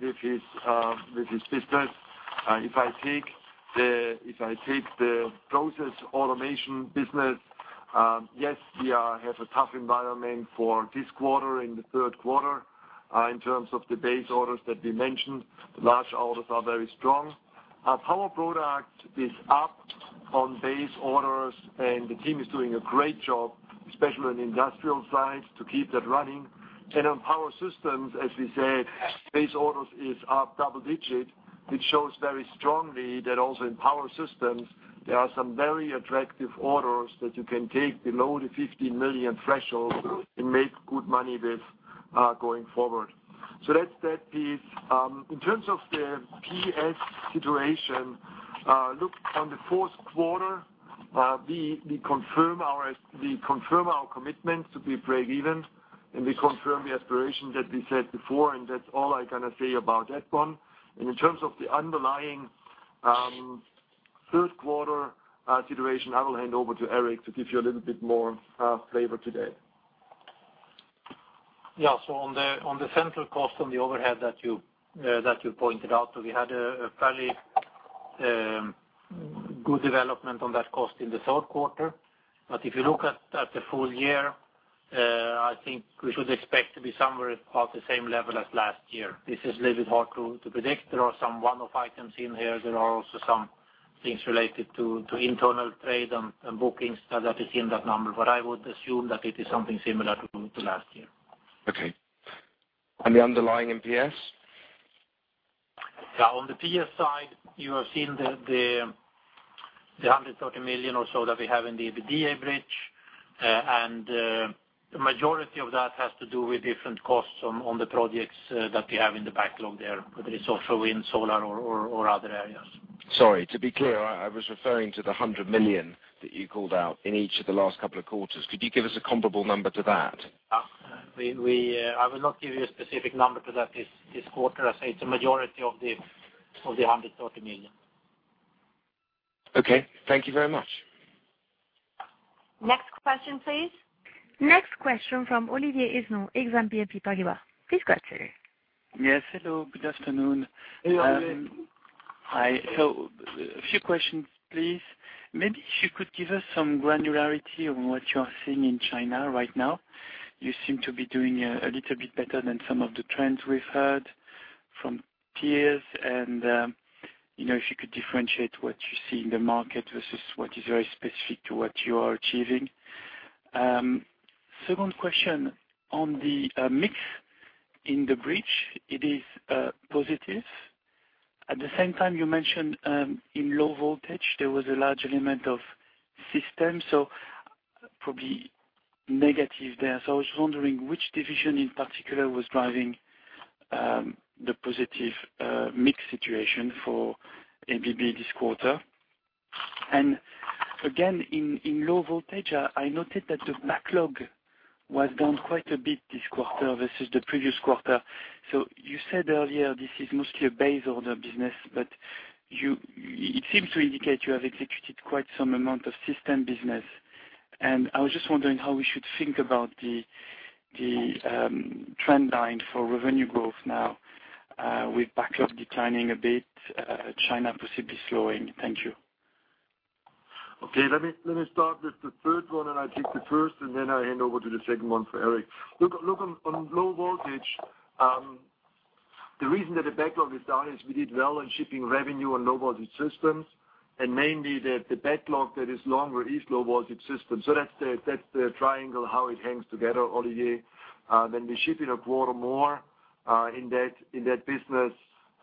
with his business. If I take the Process Automation business, yes, we have a tough environment for this quarter in the third quarter in terms of the base orders that we mentioned. The large orders are very strong. Our Power Products is up on base orders. The team is doing a great job, especially on the industrial side, to keep that running. On Power Systems, as we said, base orders is up double-digit. It shows very strongly that also in Power Systems, there are some very attractive orders that you can take below the $50 million threshold and make good money with going forward. That's that piece. In terms of the PS situation, look, on the fourth quarter, we confirm our commitment to be breakeven. We confirm the aspiration that we said before, and that's all I'm going to say about that one. In terms of the underlying Third quarter situation, I will hand over to Eric to give you a little bit more flavor today. Yeah. On the central cost on the overhead that you pointed out. We had a fairly good development on that cost in the third quarter. If you look at the full year, I think we should expect to be somewhere about the same level as last year. This is a little bit hard to predict. There are some one-off items in here. There are also some things related to internal trade and bookings that is in that number. I would assume that it is something similar to last year. Okay. The underlying PS? Yeah. On the PS side, you have seen the $130 million or so that we have in the EBITDA bridge. The majority of that has to do with different costs on the projects that we have in the backlog there, whether it's offshore wind, solar, or other areas. Sorry. To be clear, I was referring to the $100 million that you called out in each of the last couple of quarters. Could you give us a comparable number to that? I will not give you a specific number to that this quarter. I say it's a majority of the $130 million. Okay. Thank you very much. Next question, please. Next question from Olivier Esnault, Exane BNP Paribas. Please go ahead, sir. Yes. Hello, good afternoon. Hey, Olivier. A few questions please. Maybe if you could give us some granularity on what you are seeing in China right now. You seem to be doing a little bit better than some of the trends we've heard from peers and if you could differentiate what you see in the market versus what is very specific to what you are achieving. Second question on the mix in the bridge, it is positive. At the same time you mentioned, in Low Voltage there was a large element of system, probably negative there. I was just wondering which division in particular was driving the positive mix situation for ABB this quarter. Again, in Low Voltage, I noted that the backlog was down quite a bit this quarter versus the previous quarter. You said earlier this is mostly a base order business, but it seems to indicate you have executed quite some amount of system business. I was just wondering how we should think about the trend line for revenue growth now, with backlog declining a bit, China possibly slowing. Thank you. Okay. Let me start with the third one, and I take the first, and then I hand over to the second one for Eric. Look on low voltage. The reason that the backlog is down is we did well on shipping revenue on low voltage systems, and mainly the backlog that is longer is low voltage systems. That's the triangle, how it hangs together, Olivier. When we ship in a quarter more in that business,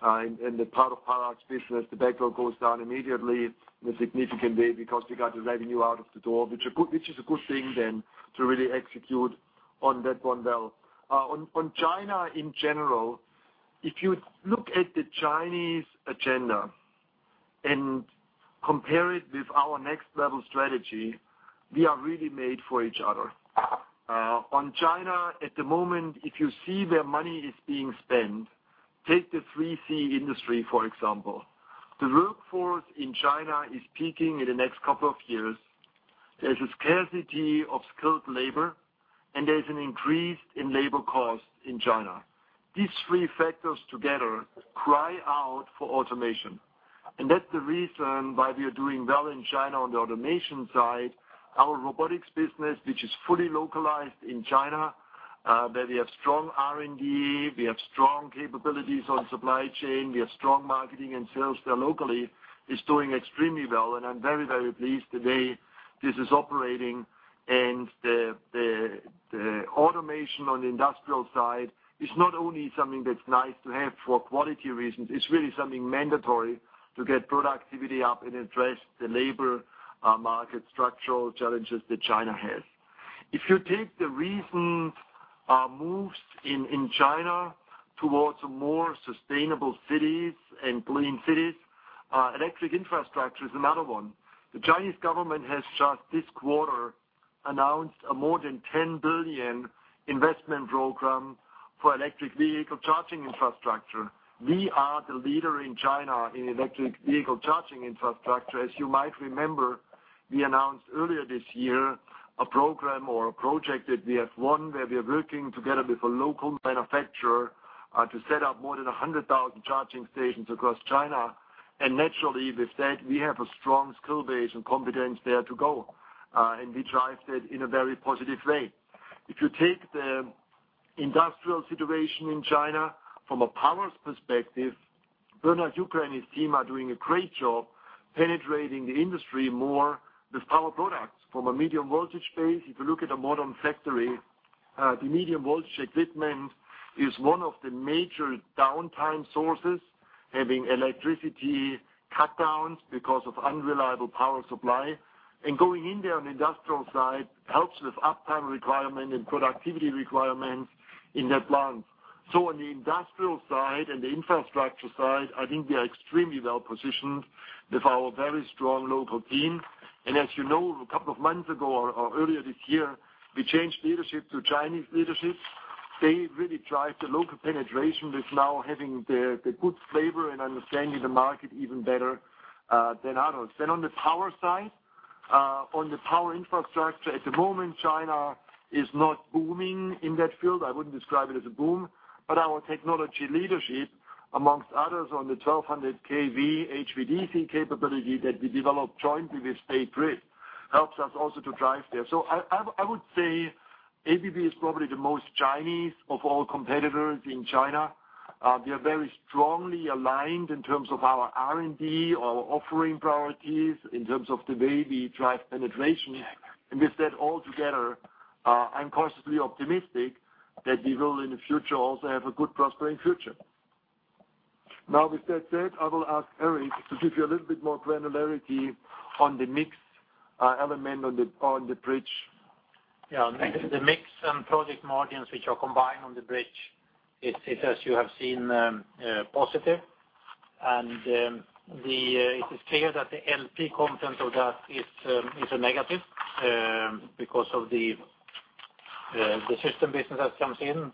in the Power Products business, the backlog goes down immediately in a significant way because we got the revenue out of the door. Which is a good thing then to really execute on that one well. On China in general, if you look at the Chinese agenda and compare it with our Next Level strategy, we are really made for each other. On China at the moment, if you see where money is being spent, take the 3C industry, for example. The workforce in China is peaking in the next couple of years. There's a scarcity of skilled labor, and there's an increase in labor cost in China. These three factors together cry out for automation, and that's the reason why we are doing well in China on the automation side. Our robotics business, which is fully localized in China, where we have strong R&D, we have strong capabilities on supply chain, we have strong marketing and sales there locally, is doing extremely well, and I'm very pleased today this is operating. The automation on the industrial side is not only something that's nice to have for quality reasons, it's really something mandatory to get productivity up and address the labor market structural challenges that China has. If you take the recent moves in China towards more sustainable cities and clean cities, electric infrastructure is another one. The Chinese government has just this quarter announced a more than $10 billion investment program for electric vehicle charging infrastructure. We are the leader in China in electric vehicle charging infrastructure. As you might remember, we announced earlier this year a program or a project that we have won, where we are working together with a local manufacturer, to set up more than 100,000 charging stations across China. Naturally, with that, we have a strong skill base and competence there to go. We drive that in a very positive way. If you take the industrial situation in China from a powers perspective, Bernhard Jucker and his team are doing a great job penetrating the industry more with Power Products from a medium voltage base. If you look at a modern factory, the medium voltage equipment is one of the major downtime sources, having electricity cut downs because of unreliable power supply. Going in there on the industrial side helps with uptime requirement and productivity requirements in their plants. On the industrial side and the infrastructure side, I think we are extremely well positioned with our very strong local team. As you know, a couple of months ago or earlier this year, we changed leadership to Chinese leadership. They really drive the local penetration with now having the good flavor and understanding the market even better than others. On the power side, on the power infrastructure, at the moment, China is not booming in that field. I wouldn't describe it as a boom, our technology leadership amongst others on the 1,200 kV HVDC capability that we developed jointly with State Grid, helps us also to drive there. I would say ABB is probably the most Chinese of all competitors in China. We are very strongly aligned in terms of our R&D, our offering priorities, in terms of the way we drive penetration. With that all together, I'm cautiously optimistic that we will, in the future, also have a good prospering future. With that said, I will ask Eric to give you a little bit more granularity on the mix element on the bridge. Yeah. Thank you. The mix and project margins, which are combined on the bridge, it's as you have seen, positive. It is clear that the LP content of that is a negative because of the system business that comes in.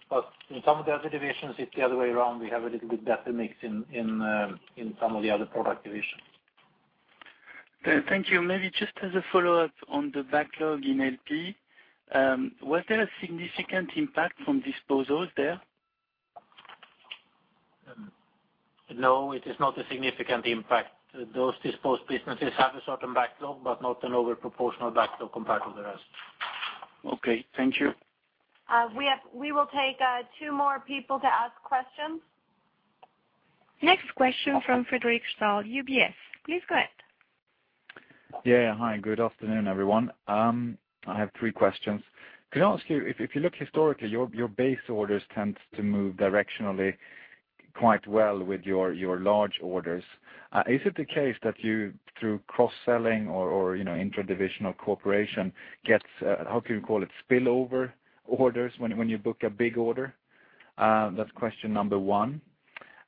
In some of the other divisions, it's the other way around. We have a little bit better mix in some of the other product divisions. Thank you. Maybe just as a follow-up on the backlog in LP, was there a significant impact from disposals there? No, it is not a significant impact. Those disposed businesses have a certain backlog, but not an over proportional backlog compared to the rest. Okay, thank you. We will take two more people to ask questions. Next question from Fredric Stahl, UBS. Please go ahead. Yeah. Hi, good afternoon, everyone. I have three questions. Could I ask you, if you look historically, your base orders tends to move directionally quite well with your large orders. Is it the case that you, through cross-selling or intra-divisional cooperation gets, how can you call it, spillover orders when you book a big order? That's question number one.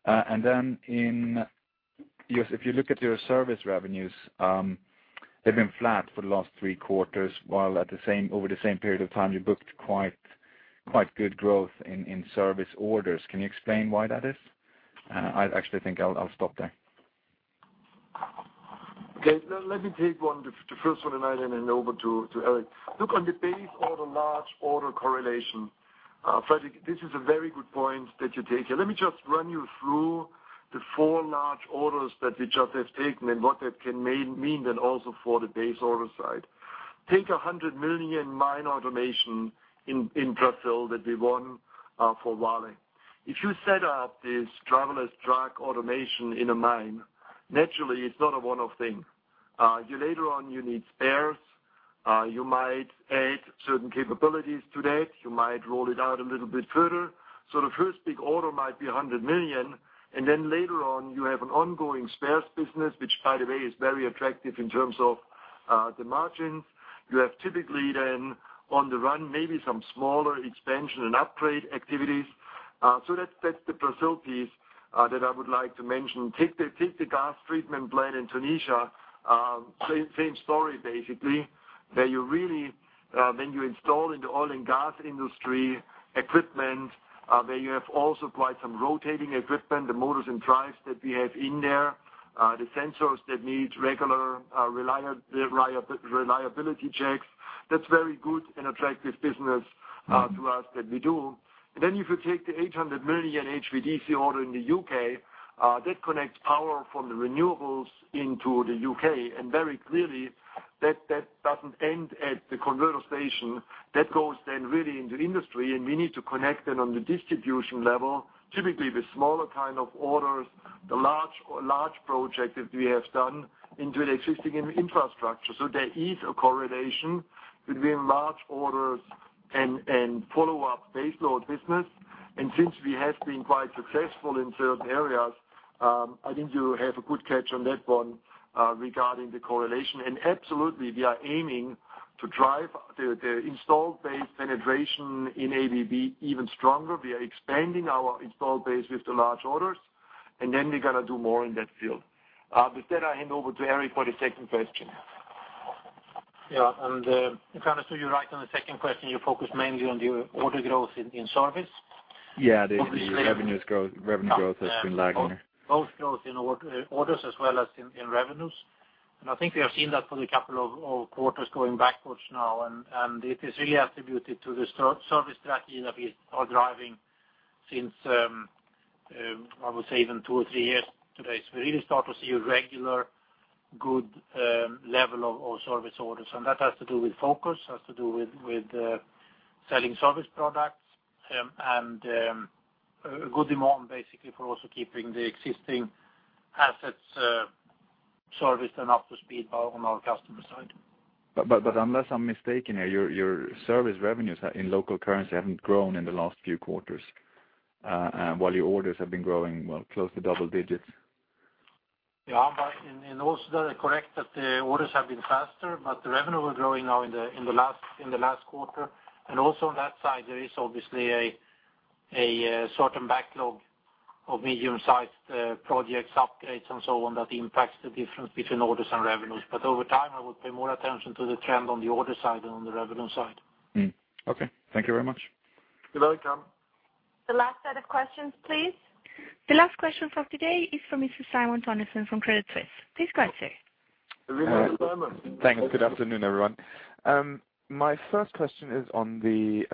Then if you look at your service revenues, they've been flat for the last three quarters, while over the same period of time, you booked quite good growth in service orders. Can you explain why that is? I actually think I'll stop there. Okay. Let me take one, the first one, and hand then over to Eric. Look on the base order, large order correlation. Fredric, this is a very good point that you take. Let me just run you through the four large orders that we just have taken and what that can mean then also for the base order side. Take $100 million mine automation in Brazil that we won for Vale. If you set up this driverless truck automation in a mine, naturally it's not a one-off thing. Later on, you need spares. You might add certain capabilities to that. You might roll it out a little bit further. So the first big order might be $100 million, then later on you have an ongoing spares business, which by the way is very attractive in terms of the margins. You have typically then on the run, maybe some smaller expansion and upgrade activities. That's the Brazil piece that I would like to mention. Take the gas treatment plant in Tunisia. Same story basically, where when you install in the oil and gas industry equipment, where you have also applied some rotating equipment, the motors and drives that we have in there, the sensors that need regular reliability checks. That's very good and attractive business to us that we do. Then if you take the $800 million HVDC order in the U.K., that connects power from the renewables into the U.K., very clearly that doesn't end at the converter station. That goes then really into industry, and we need to connect then on the distribution level, typically with smaller kind of orders, the large project that we have done into the existing infrastructure. There is a correlation between large orders and follow-up base load business. Since we have been quite successful in certain areas, I think you have a good catch on that one regarding the correlation. Absolutely, we are aiming to drive the installed base penetration in ABB even stronger. We are expanding our installed base with the large orders, and then we're going to do more in that field. With that, I hand over to Eric for the second question. Yeah. If I understood you right on the second question, you focus mainly on the order growth in service? Yeah. The revenue growth has been lagging. Both growth in orders as well as in revenues. I think we have seen that for the couple of quarters going backwards now, and it is really attributed to the service strategy that we are driving since, I would say even two or three years today. We really start to see a regular good level of service orders, and that has to do with focus, has to do with selling service products, and good demand basically for also keeping the existing assets serviced and up to speed on our customer side. Unless I'm mistaken here, your service revenues in local currency haven't grown in the last few quarters, while your orders have been growing, well, close to double digits. Yeah. Also that is correct, that the orders have been faster, but the revenue was growing now in the last quarter. Also on that side, there is obviously a certain backlog Of medium-sized projects, upgrades, and so on that impacts the difference between orders and revenues. Over time, I would pay more attention to the trend on the order side than on the revenue side. Okay. Thank you very much. You're welcome. The last set of questions, please. The last question for today is from Mr. Simon Toennessen from Credit Suisse. Please go ahead, sir. Over to Simon. Thanks. Good afternoon, everyone. My first question is on the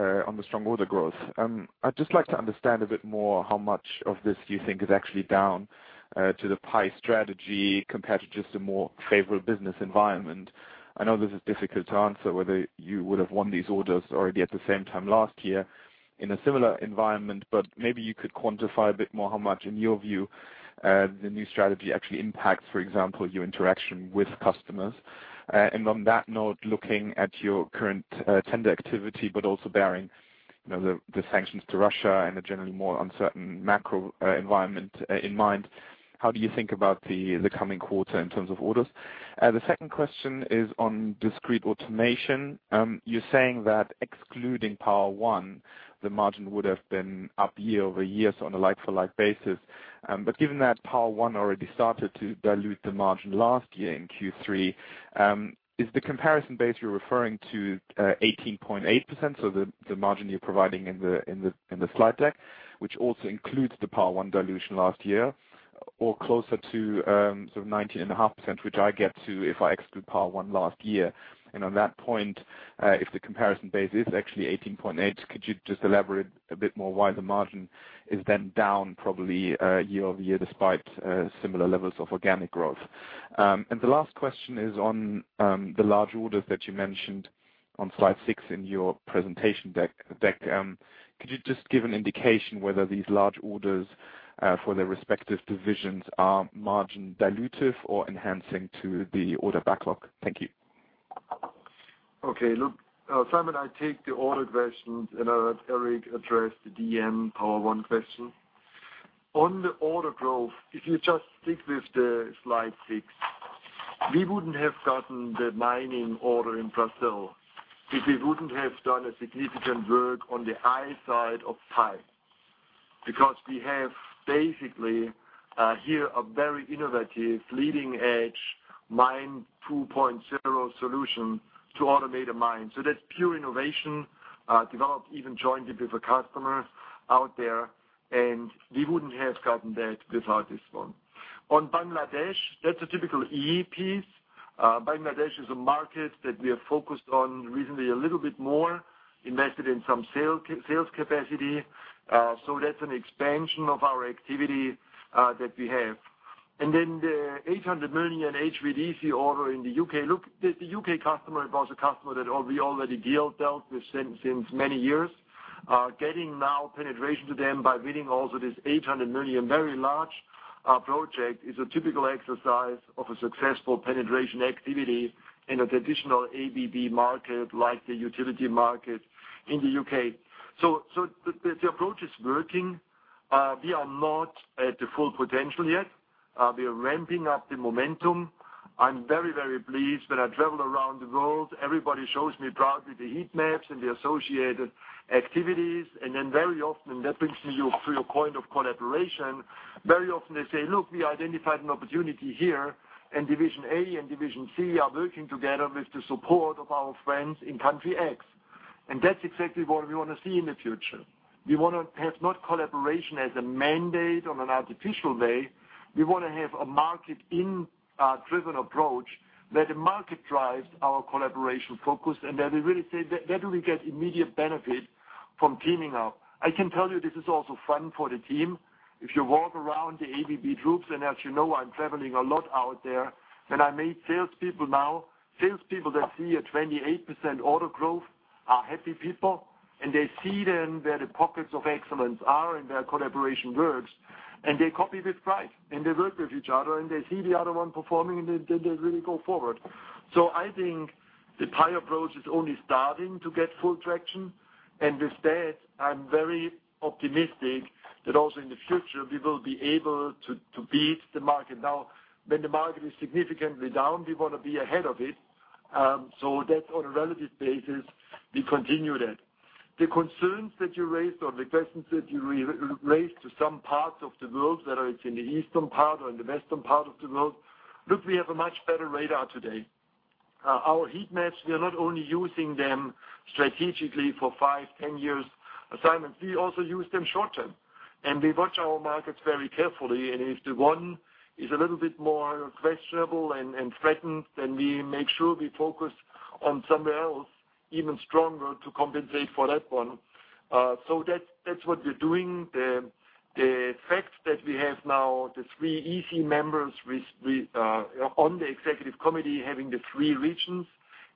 strong order growth. I'd just like to understand a bit more how much of this you think is actually down to the PIE strategy compared to just a more favorable business environment. I know this is difficult to answer whether you would have won these orders already at the same time last year in a similar environment, but maybe you could quantify a bit more how much, in your view, the new strategy actually impacts, for example, your interaction with customers. On that note, looking at your current tender activity, but also bearing the sanctions to Russia and the generally more uncertain macro environment in mind, how do you think about the coming quarter in terms of orders? The second question is on Discrete Automation. You're saying that excluding Power-One, Inc., the margin would have been up year-over-year on a like-for-like basis. Given that Power-One, Inc. already started to dilute the margin last year in Q3, is the comparison base you're referring to 18.8%, so the margin you're providing in the slide deck, which also includes the Power-One, Inc. dilution last year or closer to sort of 19.5%, which I get to if I exclude Power-One, Inc. last year. On that point, if the comparison base is actually 18.8%, could you just elaborate a bit more why the margin is then down probably year-over-year despite similar levels of organic growth? The last question is on the large orders that you mentioned on slide six in your presentation deck. Could you just give an indication whether these large orders for their respective divisions are margin dilutive or enhancing to the order backlog? Thank you. Okay. Look, Simon, I take the order questions, and I'll let Eric address the DM Power-One, Inc. question. On the order growth, if you just stick with the slide six, we wouldn't have gotten the mining order in Brazil if we wouldn't have done a significant work on the I side of PI. We have basically here a very innovative leading-edge mine 2.0 solution to automate a mine. That's pure innovation, developed even jointly with the customers out there, and we wouldn't have gotten that without this one. On Bangladesh, that's a typical EE piece. Bangladesh is a market that we are focused on recently a little bit more, invested in some sales capacity. That's an expansion of our activity that we have. The $800 million HVDC order in the U.K. The U.K. customer was a customer that we already dealt with since many years. Getting now penetration to them by winning also this $800 million very large project is a typical exercise of a successful penetration activity in a traditional ABB market like the utility market in the U.K. The approach is working. We are not at the full potential yet. We are ramping up the momentum. I'm very, very pleased when I travel around the world, everybody shows me proudly the heat maps and the associated activities, then very often that brings me to your point of collaboration. Very often they say, "Look, we identified an opportunity here and division A and division C are working together with the support of our friends in country X." That's exactly what we want to see in the future. We want to have not collaboration as a mandate on an artificial way. We want to have a market-driven approach where the market drives our collaboration focus, that we really say, where do we get immediate benefit from teaming up? I can tell you this is also fun for the team. If you walk around the ABB groups, as you know, I'm traveling a lot out there, when I meet salespeople now, salespeople that see a 28% order growth are happy people. They see then where the pockets of excellence are and where collaboration works. They copy with pride. They work with each other, they see the other one performing, they really go forward. I think the PIE approach is only starting to get full traction. With that, I'm very optimistic that also in the future, we will be able to beat the market. Now, when the market is significantly down, we want to be ahead of it. That on a relative basis, we continue that. The concerns that you raised or the questions that you raised to some parts of the world, whether it's in the eastern part or in the western part of the world, look, we have a much better radar today. Our heat maps, we are not only using them strategically for five, 10 years assignments, we also use them short-term. We watch our markets very carefully, if the one is a little bit more questionable and threatened, then we make sure we focus on somewhere else even stronger to compensate for that one. That's what we're doing. The fact that we have now the three EC members on the executive committee having the three regions,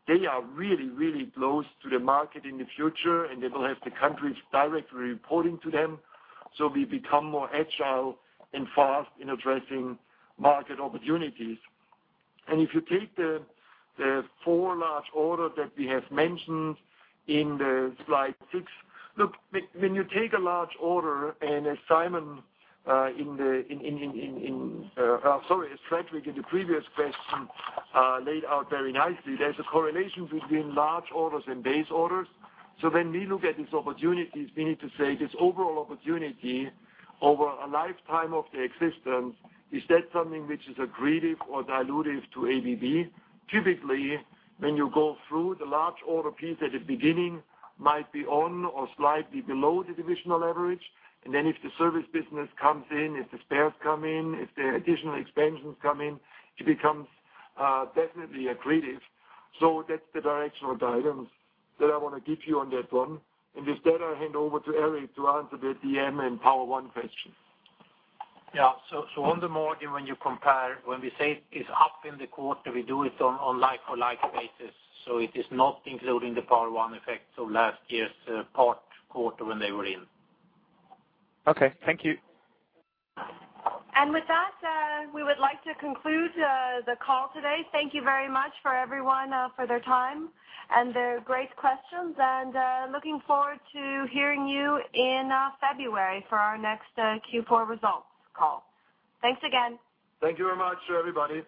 they are really, really close to the market in the future. They will have the countries directly reporting to them. We become more agile and fast in addressing market opportunities. If you take the four large orders that we have mentioned in the slide six. Look, when you take a large order as Simon in the-- Sorry, as Fredric in the previous question laid out very nicely, there's a correlation between large orders and base orders. When we look at these opportunities, we need to say this overall opportunity over a lifetime of the existence, is that something which is accretive or dilutive to ABB? Typically, when you go through the large order piece at the beginning might be on or slightly below the divisional average. Then if the service business comes in, if the spares come in, if the additional expansions come in, it becomes definitely accretive. That's the directional guidance that I want to give you on that one. With that, I hand over to Eric to answer the DM and Power-One, Inc. question. On the margin, when you compare, when we say it's up in the quarter, we do it on like-for-like basis. It is not including the Power-One, Inc. effect of last year's part quarter when they were in. Okay. Thank you. With that, we would like to conclude the call today. Thank you very much for everyone for their time and their great questions. Looking forward to hearing you in February for our next Q4 results call. Thanks again. Thank you very much, everybody.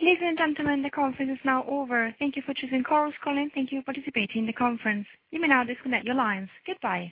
Ladies and gentlemen, the conference is now over. Thank you for choosing Chorus Call, and thank you for participating in the conference. You may now disconnect your lines. Goodbye.